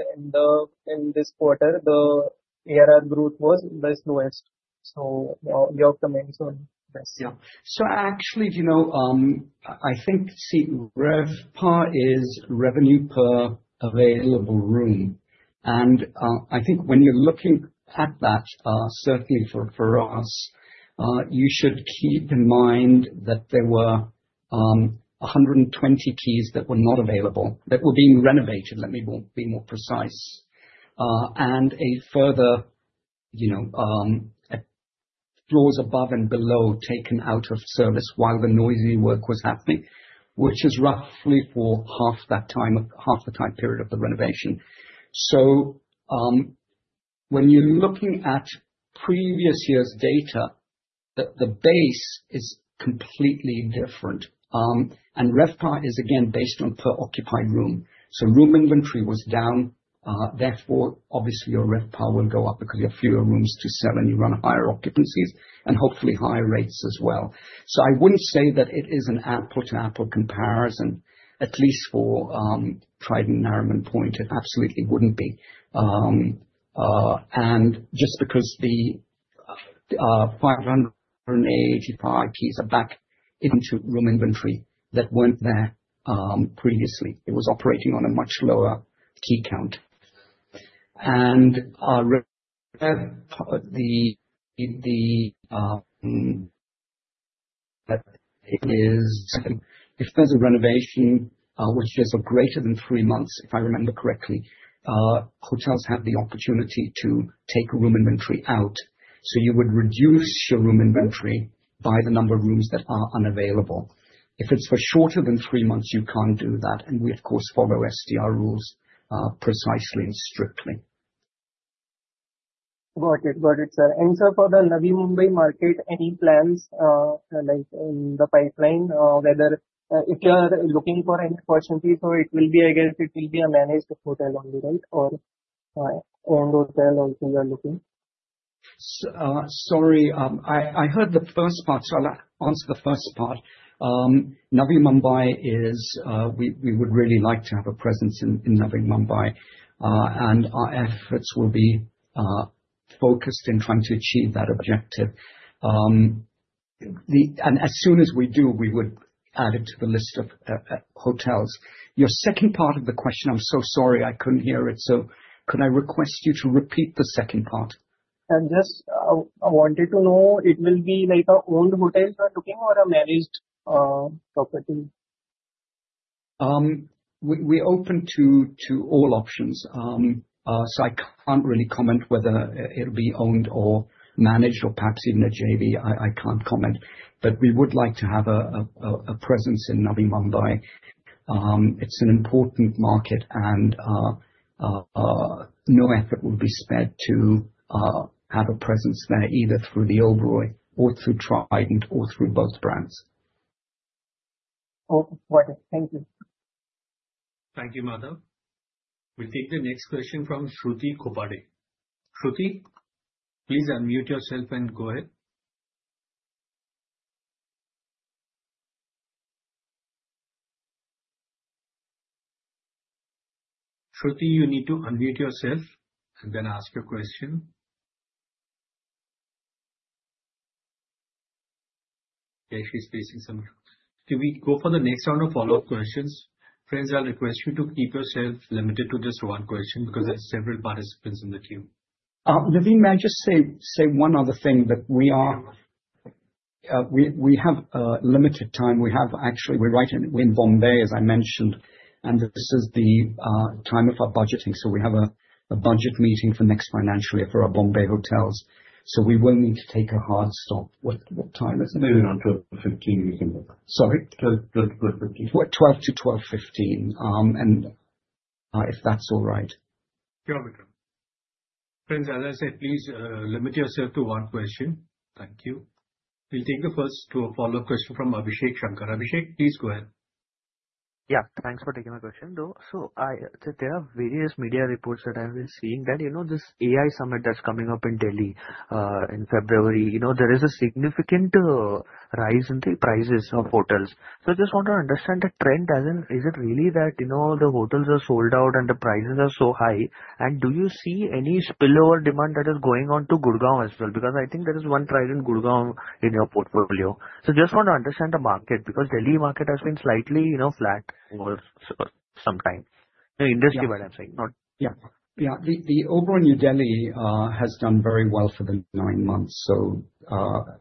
in this quarter, the ARR growth was the slowest. So, your comments on this. Yeah. So actually, you know, I think, see, RevPAR is revenue per available room, and I think when you're looking at that, certainly for us, you should keep in mind that there were 120 keys that were not available. That were being renovated, let me be more precise, and further, you know, floors above and below taken out of service while the noisy work was happening, which is roughly for half that time, half the time period of the renovation. So, when you're looking at previous years' data, the base is completely different. And RevPAR is again based on per occupied room. So room inventory was down, therefore, obviously, your RevPAR will go up because you have fewer rooms to sell and you run higher occupancies and hopefully higher rates as well. So I wouldn't say that it is an apples-to-apples comparison, at least for Trident Nariman Point, it absolutely wouldn't be. And just because the 585 keys are back into room inventory that weren't there previously. It was operating on a much lower key count. And our RevPAR—If there's a renovation, which is for greater than three months, if I remember correctly, hotels have the opportunity to take room inventory out. So you would reduce your room inventory by the number of rooms that are unavailable. If it's for shorter than three months, you can't do that, and we, of course, follow SDR rules precisely and strictly. Got it. Got it, sir. And sir, for the Navi Mumbai market, any plans, like, in the pipeline, whether, if you are looking for any opportunity, so it will be, again, it will be a managed hotel only, right? Or, owned hotel also you are looking? Sorry, I heard the first part. So I'll answer the first part. Navi Mumbai is, we would really like to have a presence in Navi Mumbai. And our efforts will be focused in trying to achieve that objective. And as soon as we do, we would add it to the list of hotels. Your second part of the question, I'm so sorry, I couldn't hear it, so could I request you to repeat the second part? Just, I wanted to know, it will be like our own hotels we are looking or a managed property? We're open to all options. So I can't really comment whether it'll be owned or managed, or perhaps even a JV. I can't comment. But we would like to have a presence in Navi Mumbai. It's an important market, and no effort will be spared to have a presence there, either through the Oberoi or through Trident, or through both brands. Okay. Got it. Thank you. Thank you, Madhav. We'll take the next question from Shruti Khopade. Shruti, please unmute yourself and go ahead. Shruti, you need to unmute yourself and then ask your question. Yeah, she's facing some... Can we go for the next round of follow-up questions? Friends, I'll request you to keep yourself limited to just one question, because there are several participants in the queue. Navin, may I just say one other thing, that we have limited time. Actually, we're in Mumbai, as I mentioned, and this is the time of our budgeting, so we have a budget meeting for next financial year for our Mumbai hotels, so we will need to take a hard stop. What time is it? Maybe around 12:15 P.M. we can go. Sorry? 12:00 P.M. to 12:15 P.M. 12:00 P.M. to 12:15 P.M. If that's all right. Sure, Vikram. Friends, as I said, please, limit yourself to one question. Thank you. We'll take the first follow-up question from Abhishek Shankar. Abhishek, please go ahead. Yeah, thanks for taking my question, though. So I... There are various media reports that I have been seeing, that, you know, this AI summit that's coming up in Delhi, in February, you know, there is a significant rise in the prices of hotels. So I just want to understand the trend, as in, is it really that, you know, the hotels are sold out and the prices are so high? And do you see any spillover demand that is going on to Gurgaon as well? Because I think there is one Trident in Gurgaon in your portfolio. So just want to understand the market, because Delhi market has been slightly, you know, flat for some time. The industry-wise, I'm saying, not- Yeah. Yeah. The Oberoi New Delhi has done very well for the nine months. So, the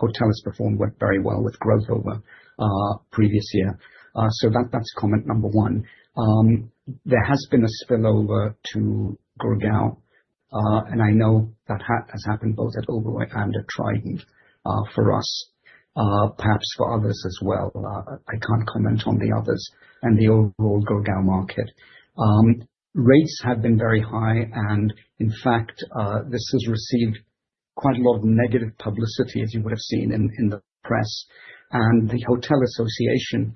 hotel has performed very well with growth over previous year. So that, that's comment number one. There has been a spillover to Gurgaon. And I know that has happened both at Oberoi and at Trident, for us. Perhaps for others as well, I can't comment on the others, and the overall Gurgaon market. Rates have been very high, and in fact, this has received quite a lot of negative publicity, as you would have seen in the press. And the Hotel Association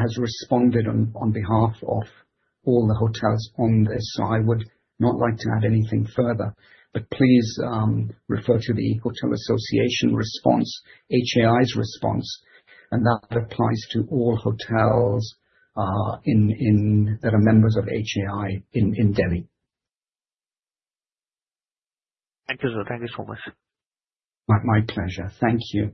has responded on behalf of all the hotels on this, so I would not like to add anything further. But please, refer to the Hotel Association response, HAI's response, and that applies to all hotels in that are members of HAI in Delhi. Thank you, sir. Thank you so much. My pleasure. Thank you.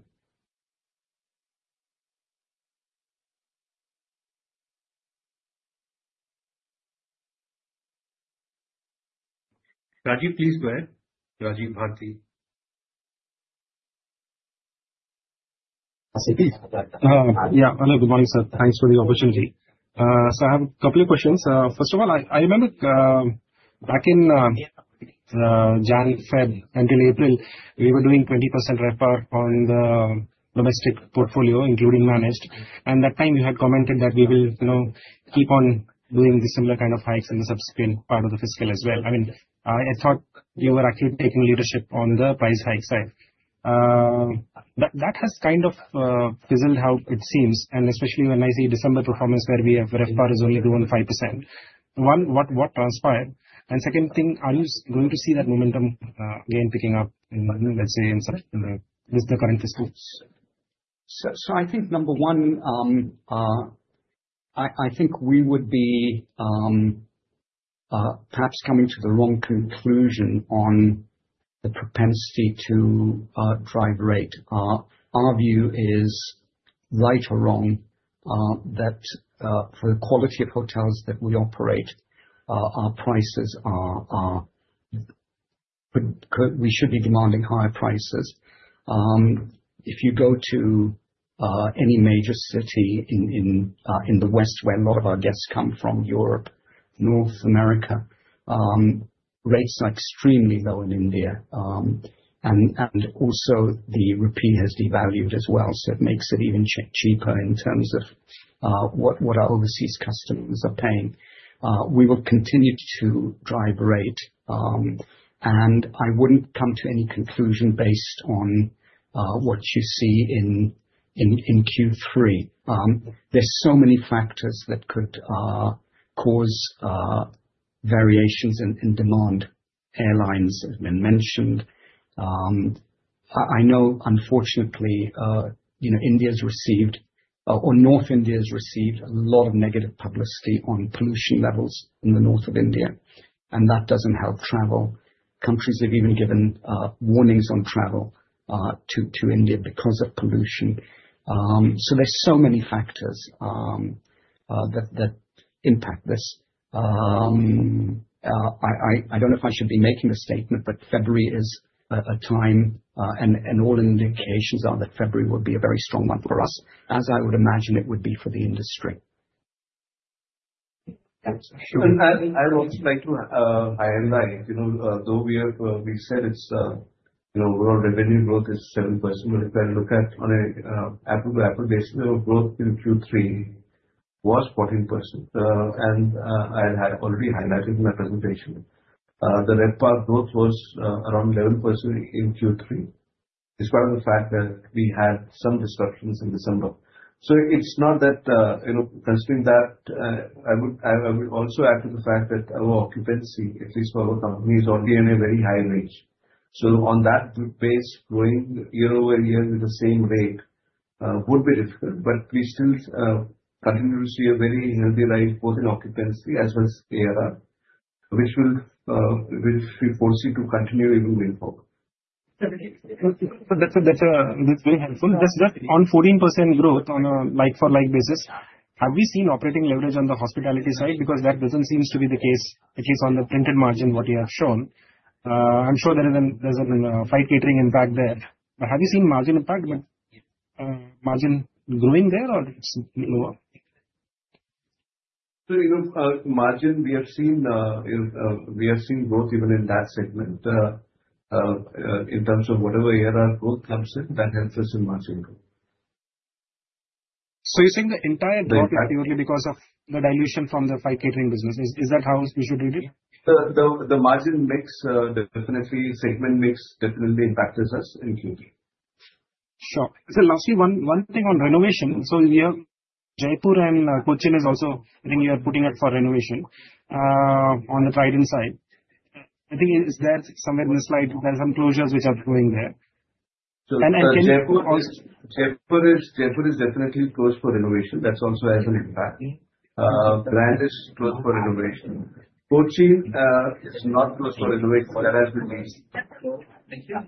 Rajiv, please go ahead. Rajiv Bharti.... Yeah. Hello, good morning, sir. Thanks for the opportunity. So I have a couple of questions. First of all, I remember back in January, February until April, we were doing 20% RevPAR on the domestic portfolio, including managed, and that time you had commented that we will, you know, keep on doing the similar kind of hikes in the subsequent part of the fiscal as well. I mean, I thought you were actually taking leadership on the price hike side. But that has kind of fizzled out, it seems, and especially when I see December performance, where RevPAR has only grown 5%. One, what transpired? And second thing, are you going to see that momentum again picking up in, let's say, with the current fiscal? So I think number one, I think we would be perhaps coming to the wrong conclusion on the propensity to drive rate. Our view is, right or wrong, that for the quality of hotels that we operate, our prices are... We could, we should be demanding higher prices. If you go to any major city in the West, where a lot of our guests come from, Europe, North America, rates are extremely low in India. And also the rupee has devalued as well, so it makes it even cheaper in terms of what our overseas customers are paying. We will continue to drive rate, and I wouldn't come to any conclusion based on what you see in Q3. There's so many factors that could cause variations in demand. Airlines have been mentioned. I know, unfortunately, you know, India's received or North India has received a lot of negative publicity on pollution levels in the north of India, and that doesn't help travel. Countries have even given warnings on travel to India because of pollution. So there's so many factors that impact this. I don't know if I should be making a statement, but February is a time and all indications are that February will be a very strong month for us, as I would imagine it would be for the industry. Thanks. I would also like to highlight, you know, though we have said it's, you know, overall revenue growth is 7%, but if I look at on an apple-to-apple basis, our growth in Q3 was 14%. I had already highlighted in my presentation the RevPAR growth was around 11% in Q3, despite of the fact that we had some disruptions in December. So it's not that, you know, considering that, I would also add to the fact that our occupancy, at least for our company, is already in a very high range. So on that pace, growing year-over-year with the same rate, would be difficult, but we still continue to see a very healthy life, both in occupancy as well as ARR, which will force you to continue to move forward. So that's, that's very helpful. Just that on 14% growth on a like-for-like basis, have we seen operating leverage on the hospitality side? Because that doesn't seems to be the case, at least on the printed margin, what you have shown. I'm sure there is an, there's an, flight catering impact there, but have you seen margin impact, but, margin growing there or it's lower? So, you know, margin we have seen, we have seen growth even in that segment. In terms of whatever ARR growth comes in, that helps us in margin growth. So you're saying the entire- The impact- growth is purely because of the dilution from the five catering businesses, is that how we should read it? The margin mix definitely, segment mix definitely impacts us in Q3. Sure. So lastly, one thing on renovation. So we have Jaipur, and Cochin is also, I think you are putting up for renovation, on the Trident side. I think is there somewhere in the slide, there are some closures which are going there. And can you- Jaipur is definitely closed for renovation. That's also has an impact. Mm-hmm. Grand is closed for renovation. Cochin is not closed for renovation. That has been missed. Thank you.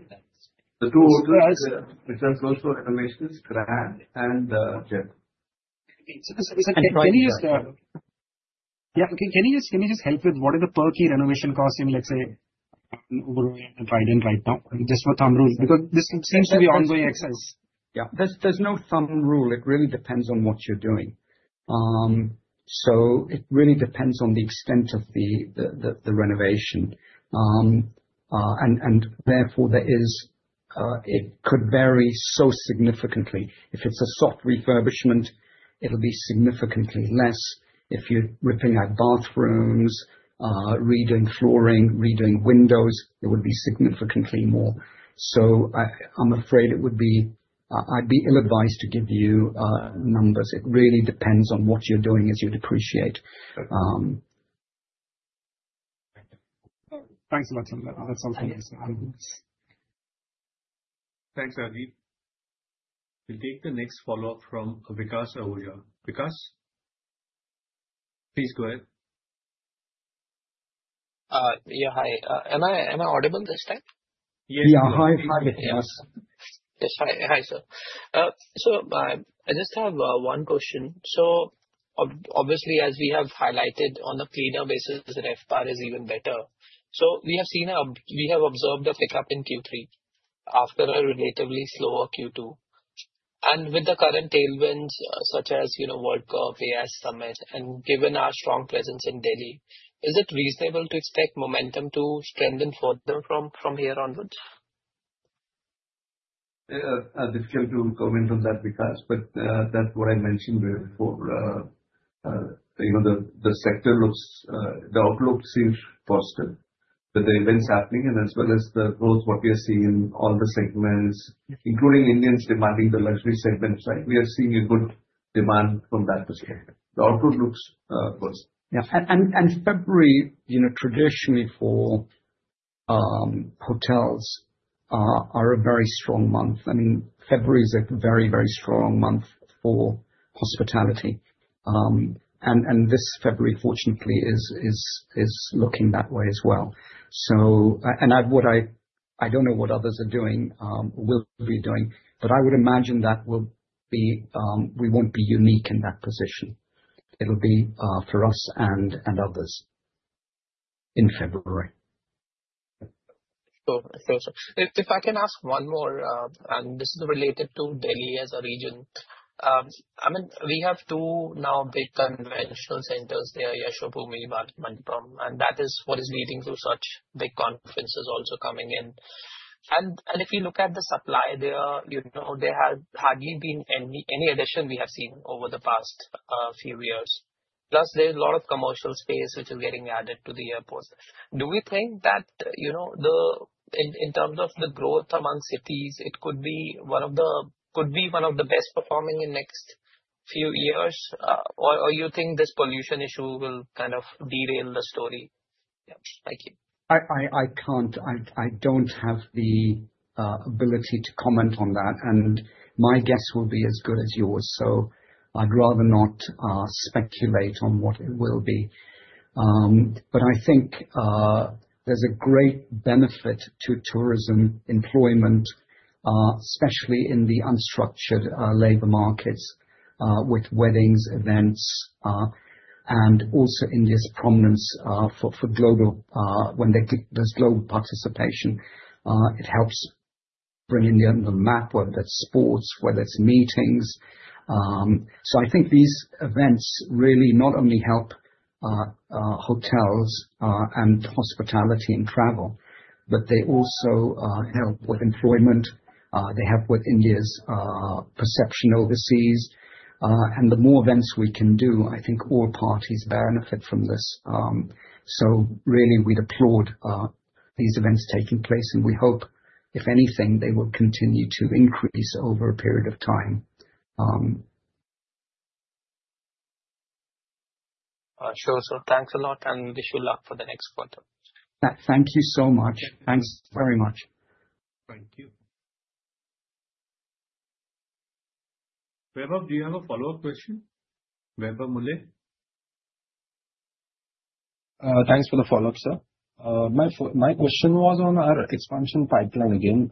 The two hotels- So as- - which are closed for renovations, Grand and Jaipur. So, can we just... Yeah, okay, can you just help with what are the per key renovation costs in, let's say, Trident right now? Just for thumb rule, because this seems to be ongoing expenses. Yeah, there's no thumb rule. It really depends on what you're doing. So it really depends on the extent of the renovation. And therefore, it could vary so significantly. If it's a soft refurbishment, it'll be significantly less. If you're ripping out bathrooms, redoing flooring, redoing windows, it would be significantly more. So I'm afraid it would be... I'd be ill-advised to give you numbers. It really depends on what you're doing, as you'd appreciate. Thanks a lot, sir. That's something- Thank you. Thanks, Arvid. We'll take the next follow-up from Vikas Ahuja. Vikas? Please go ahead. Yeah. Hi, am I audible this time? Yes. Yeah. Hi, hi, yes. Yes. Hi, hi, sir. So, I just have one question. So-... Obviously, as we have highlighted on a cleaner basis, the RevPAR is even better. So we have seen, we have observed a pickup in Q3, after a relatively slower Q2. And with the current tailwinds, such as, you know, World Cup, AI summit, and given our strong presence in Delhi, is it reasonable to expect momentum to strengthen further from, from here onwards? Difficult to comment on that, Vikas, but that's what I mentioned before. You know, the sector looks, the outlook seems positive, with the events happening and as well as the growth what we are seeing in all the segments, including Indians demanding the luxury segments, right? We are seeing a good demand from that perspective. The outlook looks positive. Yeah. And February, you know, traditionally for hotels are a very strong month. I mean, February is a very, very strong month for hospitality. And this February, fortunately, is looking that way as well. So... And I don't know what others are doing, will be doing, but I would imagine that will be... We won't be unique in that position. It'll be for us and others in February. Sure. Sure, sir. If I can ask one more, and this is related to Delhi as a region. I mean, we have two now, big convention centers there, Yashobhoomi, India Gate, and that is what is leading to such big conferences also coming in. And if you look at the supply there, you know, there has hardly been any addition we have seen over the past, few years. Plus, there's a lot of commercial space which is getting added to the airports. Do we think that, you know, the... In terms of the growth among cities, it could be one of the best performing in next few years, or you think this pollution issue will kind of derail the story? Yeah. Thank you. I can't. I don't have the ability to comment on that, and my guess will be as good as yours, so I'd rather not speculate on what it will be. But I think there's a great benefit to tourism employment, especially in the unstructured labor markets, with weddings, events, and also India's prominence for global when they get this global participation, it helps bring India on the map, whether it's sports, whether it's meetings. So I think these events really not only help hotels and hospitality and travel, but they also help with employment, they help with India's perception overseas, and the more events we can do, I think all parties benefit from this. So really, we'd applaud these events taking place, and we hope, if anything, they will continue to increase over a period of time. Sure, sir. Thanks a lot, and wish you luck for the next quarter. Thank you so much. Thanks very much. Thank you. Vaibhav, do you have a follow-up question? Vaibhav Mulay? Thanks for the follow-up, sir. My question was on our expansion pipeline again.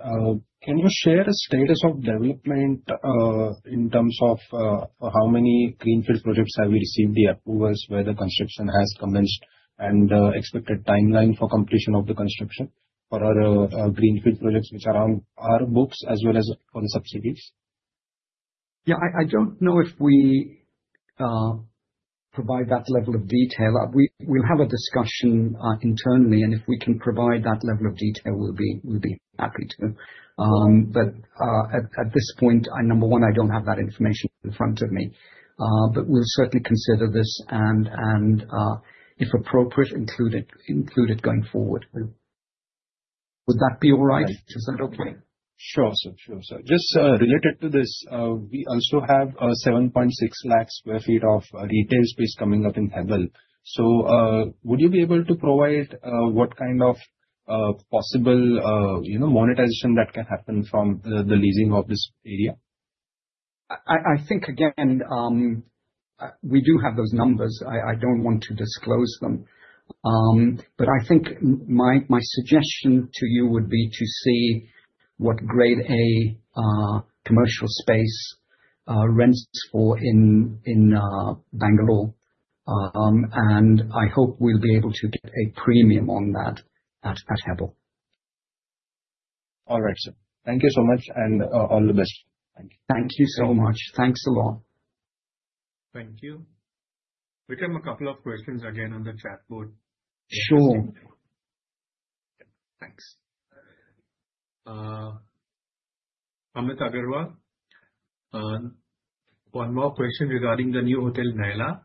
Can you share the status of development, in terms of, how many greenfield projects have you received the approvals, where the construction has commenced, and expected timeline for completion of the construction for our greenfield projects which are on our books, as well as on the subsidies? Yeah, I don't know if we provide that level of detail. We'll have a discussion internally, and if we can provide that level of detail, we'll be happy to. But at this point, I... Number one, I don't have that information in front of me. But we'll certainly consider this, and if appropriate, include it going forward. Would that be all right? Is that okay? Sure, sir. Sure, sir. Just related to this, we also have 7.6 lakh sq ft of retail space coming up in Hebbal. So, would you be able to provide what kind of possible, you know, monetization that can happen from the leasing of this area? I think again we do have those numbers. I don't want to disclose them. But I think my suggestion to you would be to see what Grade A commercial space rents for in Bangalore. And I hope we'll be able to get a premium on that at Hebbal. All right, sir. Thank you so much, and all the best. Thank you. Thank you so much. Thanks a lot. Thank you. We have a couple of questions again on the chat board. Sure. Thanks. Amit Agarwal: One more question regarding the new hotel, Naila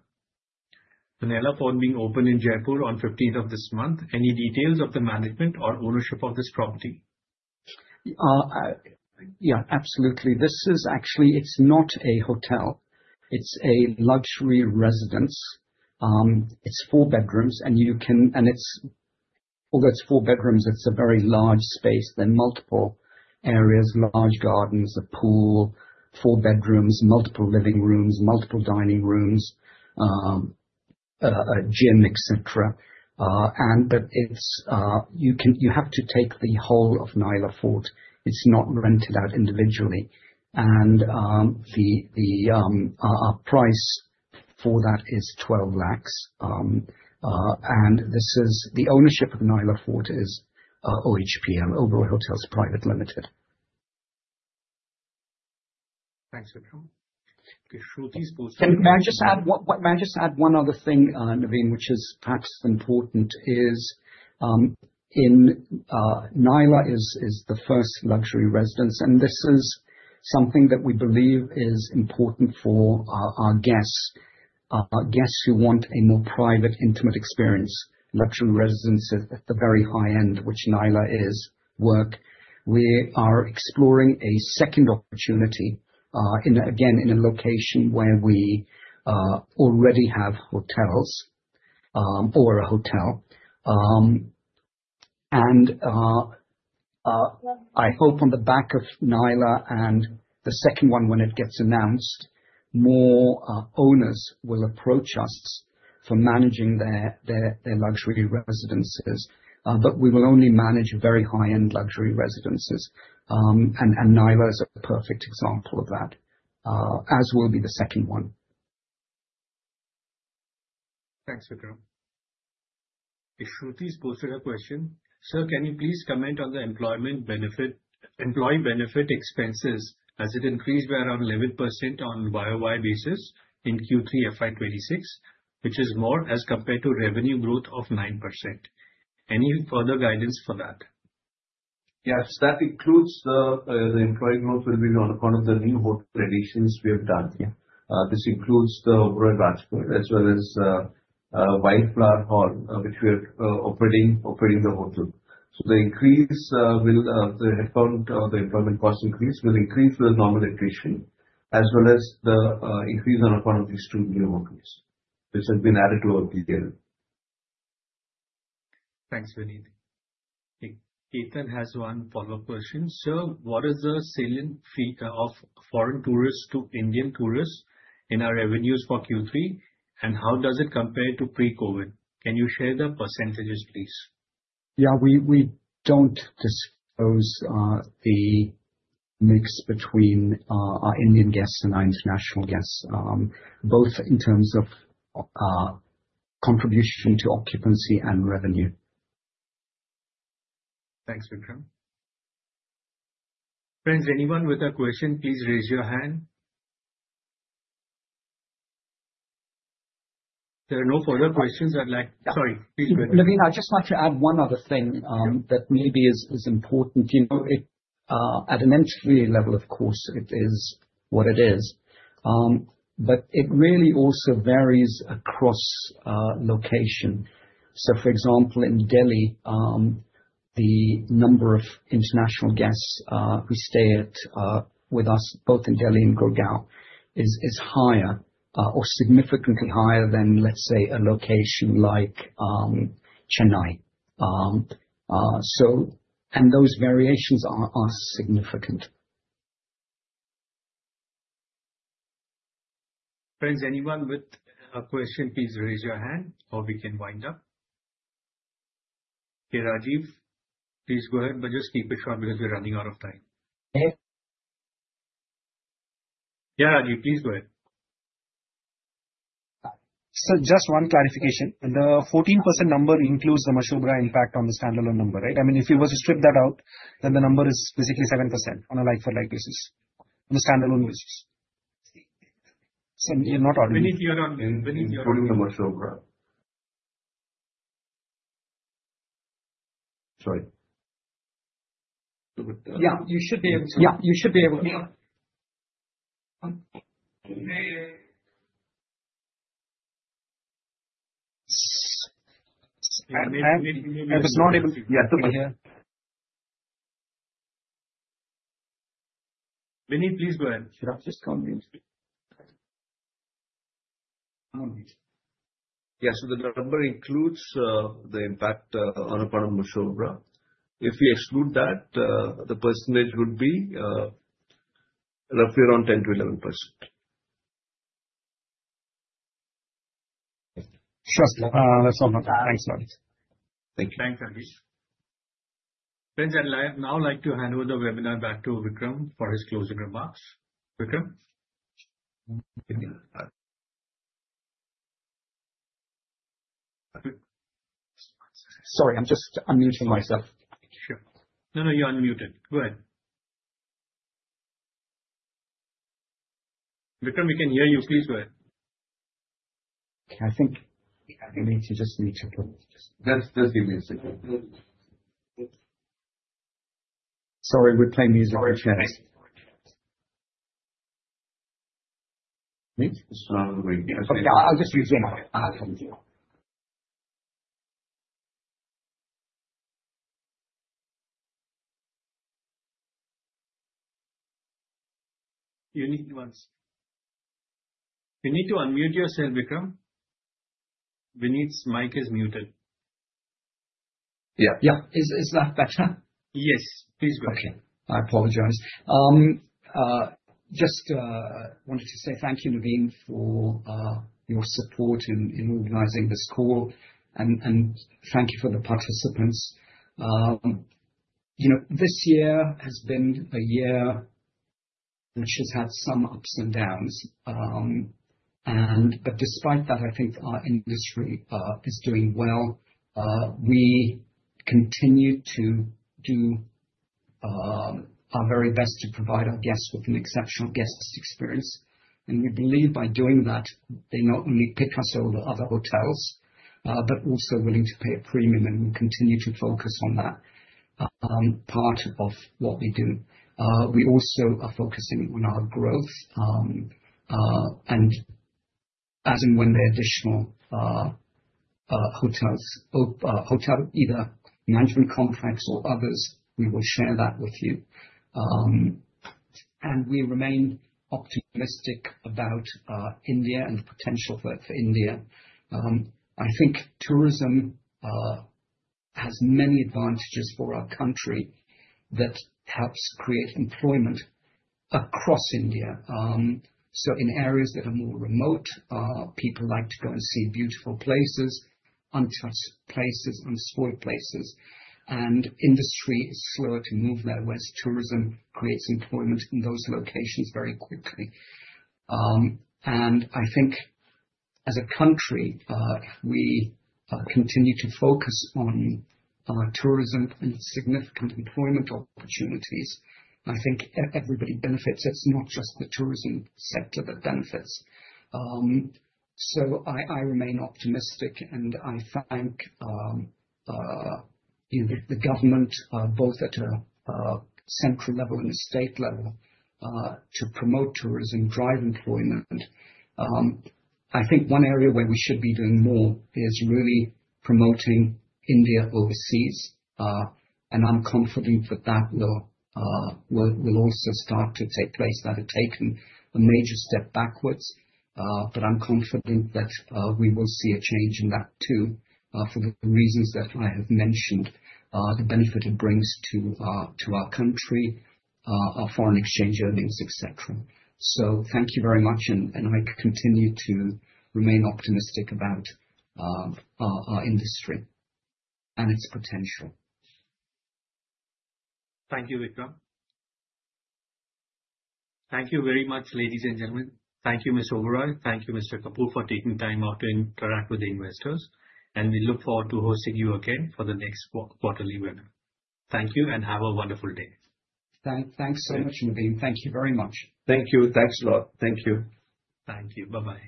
Fort. Naila Fort being open in Jaipur on fifteenth of this month. Any details of the management or ownership of this property? Yeah, absolutely. This is actually... It's not a hotel, it's a luxury residence. It's four bedrooms. Although it's four bedrooms, it's a very large space. There are multiple areas, large gardens, a pool, four bedrooms, multiple living rooms, multiple dining rooms, a gym, et cetera. But it's, you have to take the whole of Naila Fort. It's not rented out individually. And, the, the, price for that is 12 lakh. And this is the ownership of Naila Fort is, OHPL, Oberoi Hotels Private Limited. Thanks, Vikram. If Shruti's- May I just add one other thing, Navin, which is perhaps important, in Naila is the first luxury residence, and this is something that we believe is important for our guests. Guests who want a more private, intimate experience. Luxury residences at the very high end, which Naila is, work. We are exploring a second opportunity, in a location where we already have hotels or a hotel. And I hope on the back of Naila and the second one when it gets announced, more owners will approach us for managing their luxury residences. But we will only manage very high-end luxury residences. And Naila is a perfect example of that, as will be the second one. Thanks, Vikram. If Shruti's posted a question: Sir, can you please comment on the employee benefit expenses, as it increased by around 11% on year-over-year basis in Q3 FY 2026, which is more as compared to revenue growth of 9%. Any further guidance for that? Yes, that includes the employee growth will be on account of the new hotel additions we have done. Yeah. This includes the Oberoi Rajgarh, as well as Wildflower Hall, which we are operating the hotel. So the increase will the headcount the employment cost increase will increase with normal attrition, as well as the increase on account of these two new hotels. This has been added to our detail. Thanks, Vineet. Ethan has one follow-up question. Sir, what is the split between foreign tourists and Indian tourists in our revenues for Q3, and how does it compare to pre-COVID? Can you share the percentages, please? Yeah, we don't disclose the mix between our Indian guests and our international guests, both in terms of contribution to occupancy and revenue. Thanks, Vikram. Friends, anyone with a question, please raise your hand. There are no further questions I'd like... Sorry, please go ahead. Navin, I'd just like to add one other thing that maybe is important. You know, it at an entry level, of course, it is what it is. But it really also varies across location. So for example, in Delhi, the number of international guests who stay at with us, both in Delhi and Gurgaon, is higher or significantly higher than, let's say, a location like Chennai. So. And those variations are significant. Friends, anyone with a question, please raise your hand or we can wind up. Okay, Rajiv, please go ahead, but just keep it short because we're running out of time. Okay. Yeah, Rajiv, please go ahead. Just one clarification. The 14% number includes the Mashobra impact on the standalone number, right? I mean, if you were to strip that out, then the number is basically 7% on a like for like basis, on a standalone basis. So not ordinary. Vineet, you're on mute. Vineet, you're on mute. Including the Mashobra. Sorry. Yeah. You should be able to- Yeah. You should be able to. Um... I was not able to. Yeah. Vineet, please go ahead. Sure, I'll just come in. Yeah, so the number includes the impact on account of Mashobra. If we exclude that, the percentage would be roughly around 10%-11%. Sure. Thanks a lot. Thank you. Thanks, Rajiv. Friends, I'd like now to hand over the webinar back to Vikram for his closing remarks. Vikram? Sorry, I'm just unmuting myself. Sure. No, no, you're unmuted. Go ahead. Vikram, we can hear you. Please go ahead. I think I need to just mute again. Let's mute yourself. Sorry, we're playing music. Thanks. Me? Okay, yeah. I'll just use Zoom. I'll come to you. You need to unmute yourself, Vikram. Vineet's mic is muted. ... Yeah, yeah. Is, is that better? Yes, please go ahead. Okay, I apologize. Just wanted to say thank you, Navin, for your support in organizing this call. And thank you for the participants. You know, this year has been a year which has had some ups and downs. But despite that, I think our industry is doing well. We continue to do our very best to provide our guests with an exceptional guest experience. And we believe by doing that, they not only pick us over other hotels, but also willing to pay a premium, and we continue to focus on that part of what we do. We also are focusing on our growth, and as and when the additional hotels, either management contracts or others, we will share that with you. And we remain optimistic about India and the potential for India. I think tourism has many advantages for our country that helps create employment across India. So in areas that are more remote, people like to go and see beautiful places, untouched places, unspoiled places, and industry is slower to move there, whereas tourism creates employment in those locations very quickly. And I think as a country, we continue to focus on tourism and significant employment opportunities, and I think everybody benefits. It's not just the tourism sector that benefits. So I remain optimistic, and I thank you know the government both at a central level and a state level to promote tourism, drive employment. I think one area where we should be doing more is really promoting India overseas, and I'm confident that that will also start to take place. That had taken a major step backwards, but I'm confident that we will see a change in that, too, for the reasons that I have mentioned, the benefit it brings to our country, our foreign exchange earnings, et cetera. So thank you very much, and I continue to remain optimistic about our industry and its potential. Thank you, Vikram. Thank you very much, ladies and gentlemen. Thank you, Mr. Oberoi. Thank you, Mr. Kapur, for taking time out to interact with the investors, and we look forward to hosting you again for the next quarterly webinar. Thank you, and have a wonderful day. Thanks so much, Navin. Thank you very much. Thank you. Thanks a lot. Thank you. Thank you. Bye-bye.